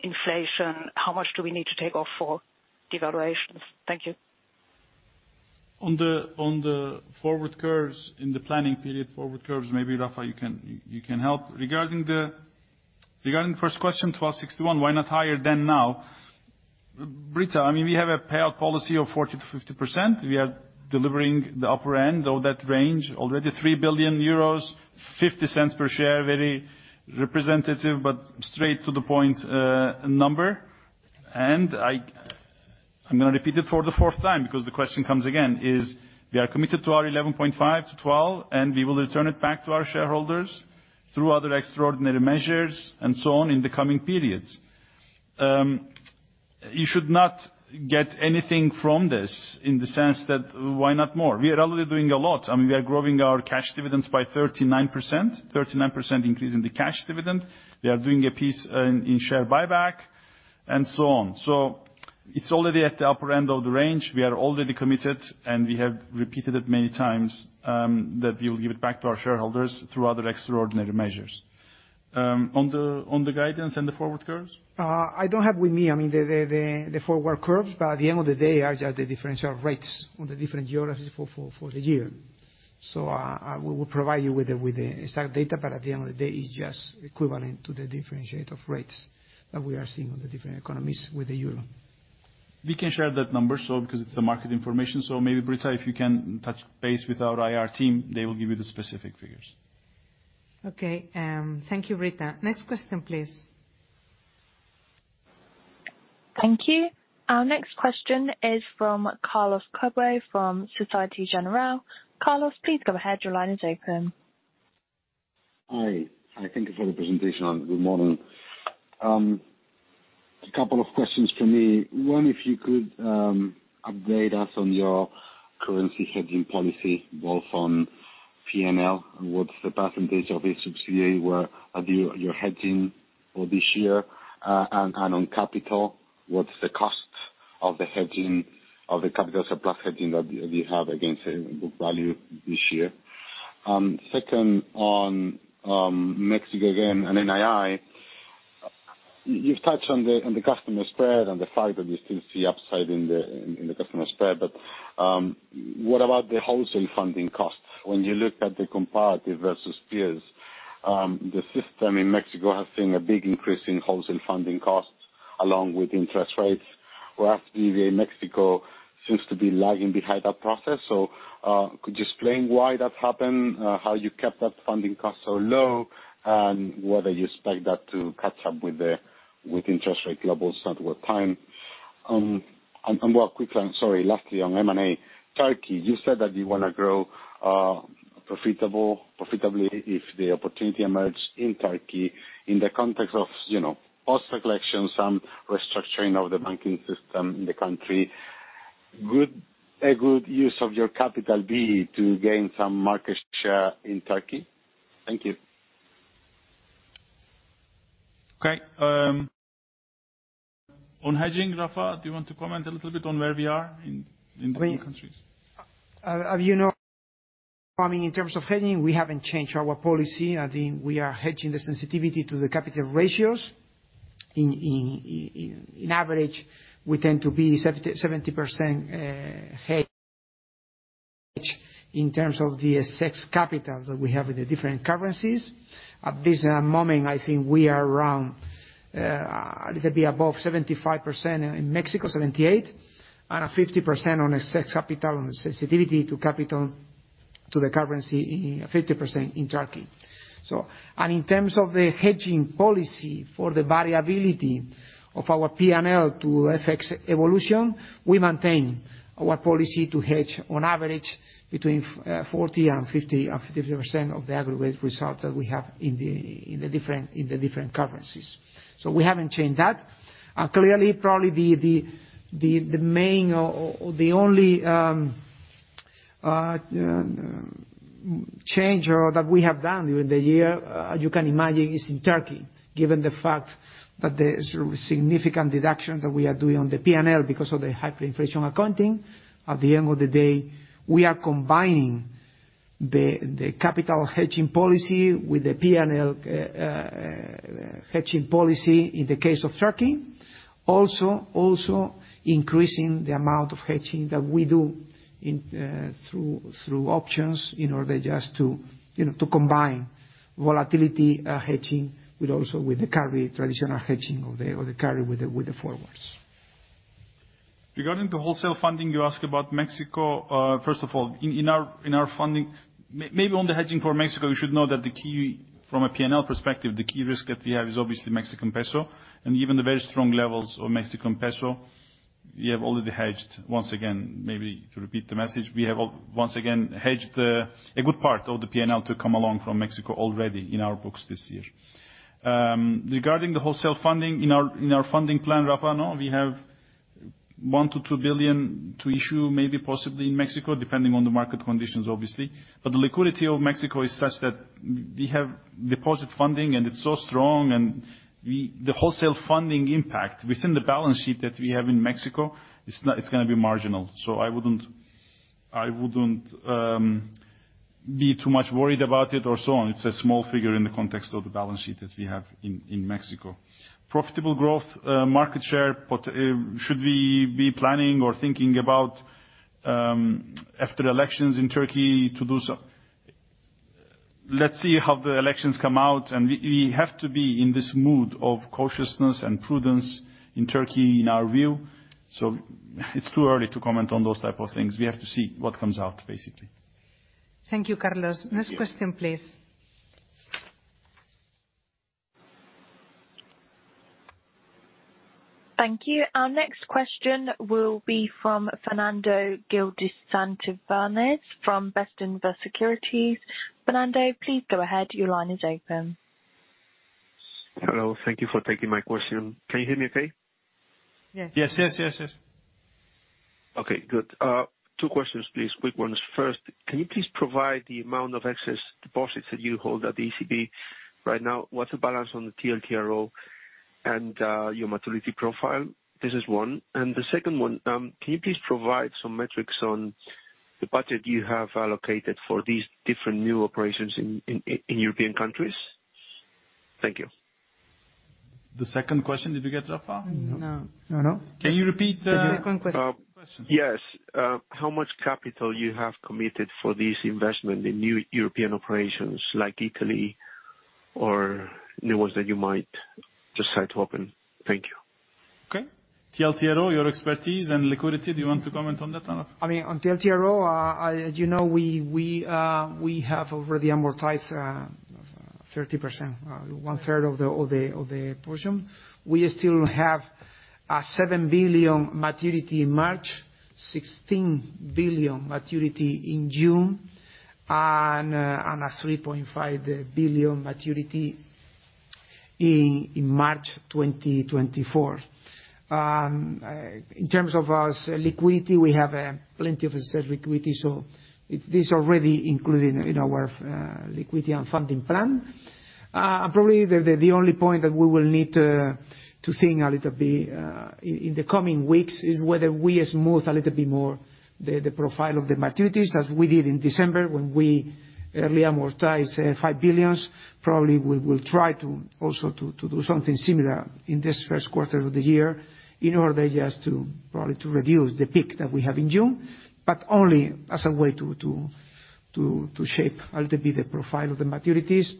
inflation, how much do we need to take off for devaluations? Thank you. On the forward curves, in the planning period forward curves, maybe, Rafa, you can help. Regarding the first question, 12.61%, why not higher than now? Britta, I mean, we have a payout policy of 40%-50%. We are delivering the upper end of that range, already 3 billion euros, 0.50 per share. Very representative, but straight to the point, number. I'm gonna repeat it for the fourth time, because the question comes again, is we are committed to our 11.5%-12%, and we will return it back to our shareholders through other extraordinary measures and so on in the coming periods. You should not get anything from this in the sense that, why not more? We are already doing a lot. I mean, we are growing our cash dividends by 39%, 39% increase in the cash dividend. We are doing a piece in share buyback, and so on. It's already at the upper end of the range. We are already committed, and we have repeated it many times, that we will give it back to our shareholders through other extraordinary measures. On the guidance and the forward curves? I don't have with me, I mean, the forward curves. At the end of the day, are just the differential rates on the different geographies for the year. We will provide you with the exact data, but at the end of the day, it's just equivalent to the differentiate of rates that we are seeing on the different economies with the euro. We can share that number, so, because it's the market information. Maybe, Britta, if you can touch base with our IR team, they will give you the specific figures. Thank you, Britta. Next question, please. Thank you. Our next question is from Carlos Cobo from Société Générale. Carlos, please go ahead. Your line is open. Hi. Thank you for the presentation and good morning. A couple of questions from me. One, if you could update us on your currency hedging policy, both on P&L, what's the percentage of each subsidiary are you hedging for this year? And on capital, what's the cost of the hedging, of the capital surplus hedging that you have against book value this year? Second on Mexico again and NII. You've touched on the, on the customer spread and the fact that you still see upside in the, in the customer spread. What about the wholesale funding costs? When you look at the comparative versus peers, the system in Mexico has seen a big increase in wholesale funding costs along with interest rates, whereas BBVA Mexico seems to be lagging behind that process. Could you explain why that happened, how you kept that funding cost so low, and whether you expect that to catch up with the, with interest rate levels at what time? One quick one. Sorry. Lastly, on M&A, Turkey, you said that you wanna grow profitably if the opportunity emerge in Turkey. In the context of, you know, post-election, some restructuring of the banking system in the country, a good use of your capital be to gain some market share in Turkey? Thank you. On hedging, Rafa, do you want to comment a little bit on where we are in different countries? As you know, I mean, in terms of hedging, we haven't changed our policy. I think we are hedging the sensitivity to the capital ratios. In average, we tend to be 70% hedged in terms of the excess capital that we have with the different currencies. At this moment, I think we are around, a little bit above 75%. In Mexico, 78%, and 50% on excess capital and sensitivity to capital to the currency, 50% in Turkey. And in terms of the hedging policy for the variability of our P&L to FX evolution, we maintain our policy to hedge on average between 40% and 50% or 50% of the aggregate result that we have in the different currencies. We haven't changed that. Clearly, probably the main or the only change that we have done during the year, you can imagine is in Turkey, given the fact that there's significant deductions that we are doing on the P&L because of the hyperinflation accounting. At the end of the day, we are combining the capital hedging policy with the P&L hedging policy in the case of Turkey. Also increasing the amount of hedging that we do in through options in order just to, you know, to combine volatility hedging with also with the carry, traditional hedging or the carry with the forwards. Regarding the wholesale funding you ask about Mexico. First of all, in our funding, maybe on the hedging for Mexico, you should know that the key from a P&L perspective, the key risk that we have is obviously Mexican peso, and even the very strong levels of Mexican peso, we have already hedged. Once again, maybe to repeat the message, we have, once again, hedged a good part of the P&L to come along from Mexico already in our books this year. Regarding the wholesale funding, in our funding plan, Rafael, we have 1 billion-2 billion to issue, maybe possibly in Mexico, depending on the market conditions, obviously. The liquidity of Mexico is such that we have deposit funding, and it's so strong, and we. The wholesale funding impact within the balance sheet that we have in Mexico, it's going to be marginal. I wouldn't be too much worried about it or so on. It's a small figure in the context of the balance sheet that we have in Mexico. Profitable growth, market share, pot, should we be planning or thinking about after elections in Turkey to do so? Let's see how the elections come out, and we have to be in this mood of cautiousness and prudence in Turkey, in our view. It's too early to comment on those type of things. We have to see what comes out, basically. Thank you, Carlos. Next question, please. Thank you. Our next question will be from Fernando Gil de Santivañes from Bestinver Securities. Fernando, please go ahead. Your line is open. Hello. Thank you for taking my question. Can you hear me okay? Yes. Yes, yes, yes. Okay, good. Two questions, please. Quick ones. First, can you please provide the amount of excess deposits that you hold at ECB right now? What's the balance on the TLTRO and your maturity profile? This is one. The second one, can you please provide some metrics on the budget you have allocated for these different new operations in European countries? Thank you. The second question, did you get, Rafael? No. No, no. Can you repeat? The second question. Yes. How much capital you have committed for this investment in new European operations like Italy or new ones that you might decide to open? Thank you. Okay. TLTRO, your expertise and liquidity, do you want to comment on that, Rafael? I mean, on TLTRO, as you know, we have already amortized 30%, one-third of the portion. We still have a 7 billion maturity in March, 16 billion maturity in June, and a 3.5 billion maturity in March 2024. In terms of our liquidity, we have plenty of excess liquidity, so this already included in our liquidity and funding plan. Probably the only point that we will need to seeing a little bit in the coming weeks is whether we smooth a little bit more the profile of the maturities, as we did in December when we early amortize 5 billion. Probably we will try to, also to do something similar in this first quarter of the year in order just to, probably to reduce the peak that we have in June, but only as a way to shape a little bit the profile of the maturities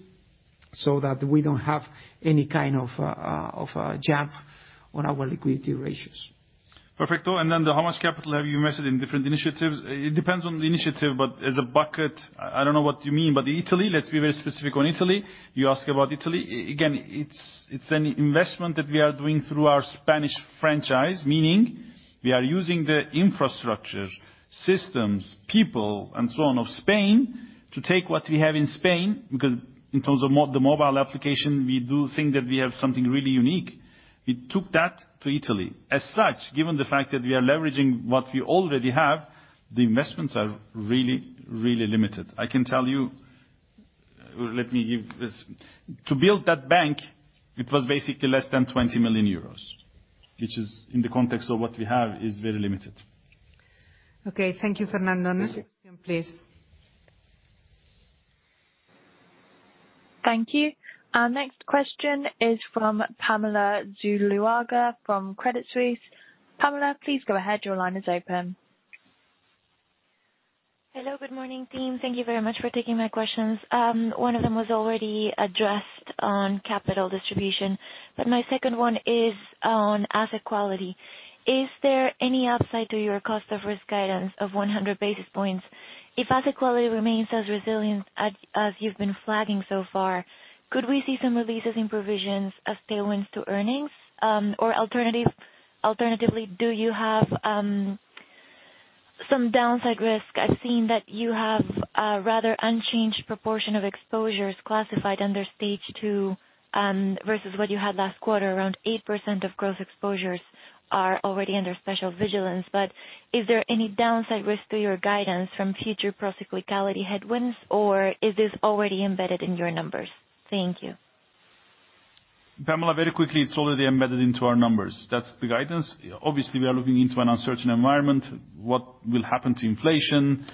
so that we don't have any kind of a jump on our liquidity ratios. Perfecto. The how much capital have you invested in different initiatives? It depends on the initiative, but as a bucket, I don't know what you mean, but Italy, let's be very specific on Italy. You ask about Italy. Again, it's an investment that we are doing through our Spanish franchise, meaning we are using the infrastructure, systems, people, and so on of Spain to take what we have in Spain, because in terms of the mobile application, we do think that we have something really unique. We took that to Italy. As such, given the fact that we are leveraging what we already have, the investments are really, really limited. I can tell you. Let me give this. To build that bank, it was basically less than 20 million euros, which is, in the context of what we have, is very limited. Thank you, Fernando. Next question, please. Thank you. Our next question is from Pamela Zuluaga from Credit Suisse. Pamela, please go ahead. Your line is open. Hello, good morning, team. Thank you very much for taking my questions. One of them was already addressed on capital distribution. My second one is on asset quality. Is there any upside to your cost of risk guidance of 100 basis points? If asset quality remains as resilient as you've been flagging so far, could we see some releases in provisions as tailwinds to earnings? Alternatively, do you have some downside risk? I've seen that you have a rather unchanged proportion of exposures classified under Stage 2 versus what you had last quarter. Around 8% of gross exposures are already under special vigilance. Is there any downside risk to your guidance from future procyclicality headwinds, or is this already embedded in your numbers? Thank you. Pamela, very quickly, it's already embedded into our numbers. That's the guidance. Obviously, we are looking into an uncertain environment, what will happen to inflation,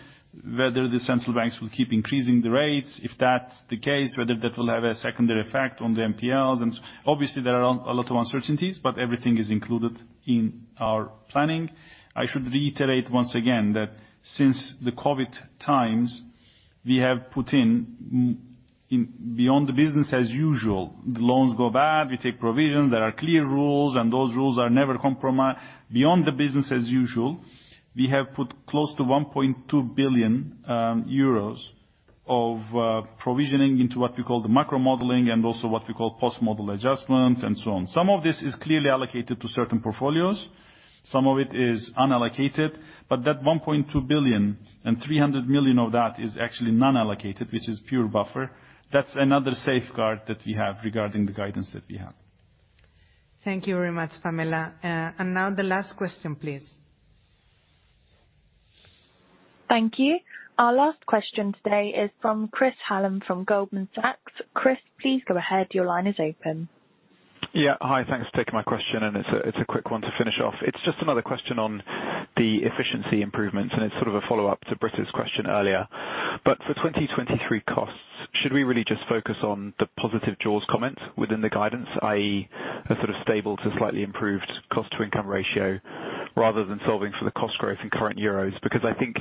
whether the central banks will keep increasing the rates, if that's the case, whether that will have a secondary effect on the NPLs. Obviously, there are a lot of uncertainties, but everything is included in our planning. I should reiterate once again that since the COVID times, we have put beyond the business as usual, loans go bad, we take provision, there are clear rules, and those rules are never compromised. Beyond the business as usual, we have put close to 1.2 billion euros of provisioning into what we call the macro modeling and also what we call post-model adjustments and so on. Some of this is clearly allocated to certain portfolios. Some of it is unallocated, but that 1.2 billion and 300 million of that is actually non-allocated, which is pure buffer. That's another safeguard that we have regarding the guidance that we have. Thank you very much, Pamela. Now the last question, please. Thank you. Our last question today is from Chris Hallam from Goldman Sachs. Chris, please go ahead. Your line is open. Yeah. Hi. Thanks for taking my question, it's a quick one to finish off. It's just another question on the efficiency improvements, it's sort of a follow-up to Britta's question earlier. For 2023 costs, should we really just focus on the positive jaws comment within the guidance, i.e., a sort of stable to slightly improved cost-to-income ratio, rather than solving for the cost growth in current euros? I think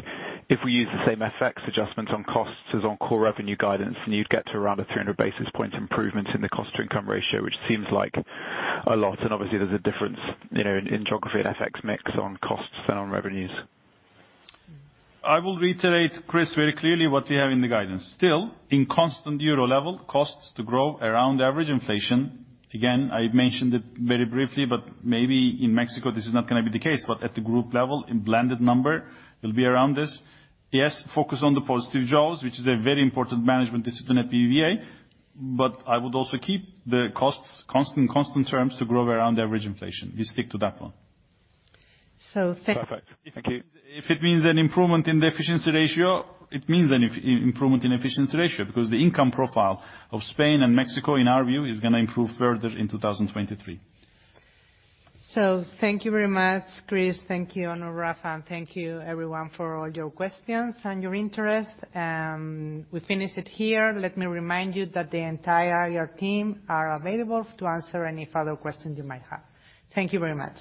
if we use the same FX adjustments on costs as on core revenue guidance, you'd get to around a 300 basis point improvement in the cost-to-income ratio, which seems like a lot, obviously there's a difference, you know, in geography and FX mix on costs and on revenues. I will reiterate, Chris, very clearly what we have in the guidance. Still, in constant euro level, costs to grow around average inflation. Again, I mentioned it very briefly, but maybe in Mexico, this is not gonna be the case, but at the group level, in blended number, it'll be around this. Yes, focus on the positive Jaws, which is a very important management discipline at BBVA, but I would also keep the costs constant terms to grow around average inflation. We stick to that one. So th- Perfect. Thank you. If it means an improvement in the efficiency ratio, because the income profile of Spain and Mexico, in our view, is gonna improve further in 2023. Thank you very much, Chris. Thank you, Onur Rafa. Thank you everyone for all your questions and your interest. We finish it here. Let me remind you that the entire IR team are available to answer any further questions you might have. Thank you very much.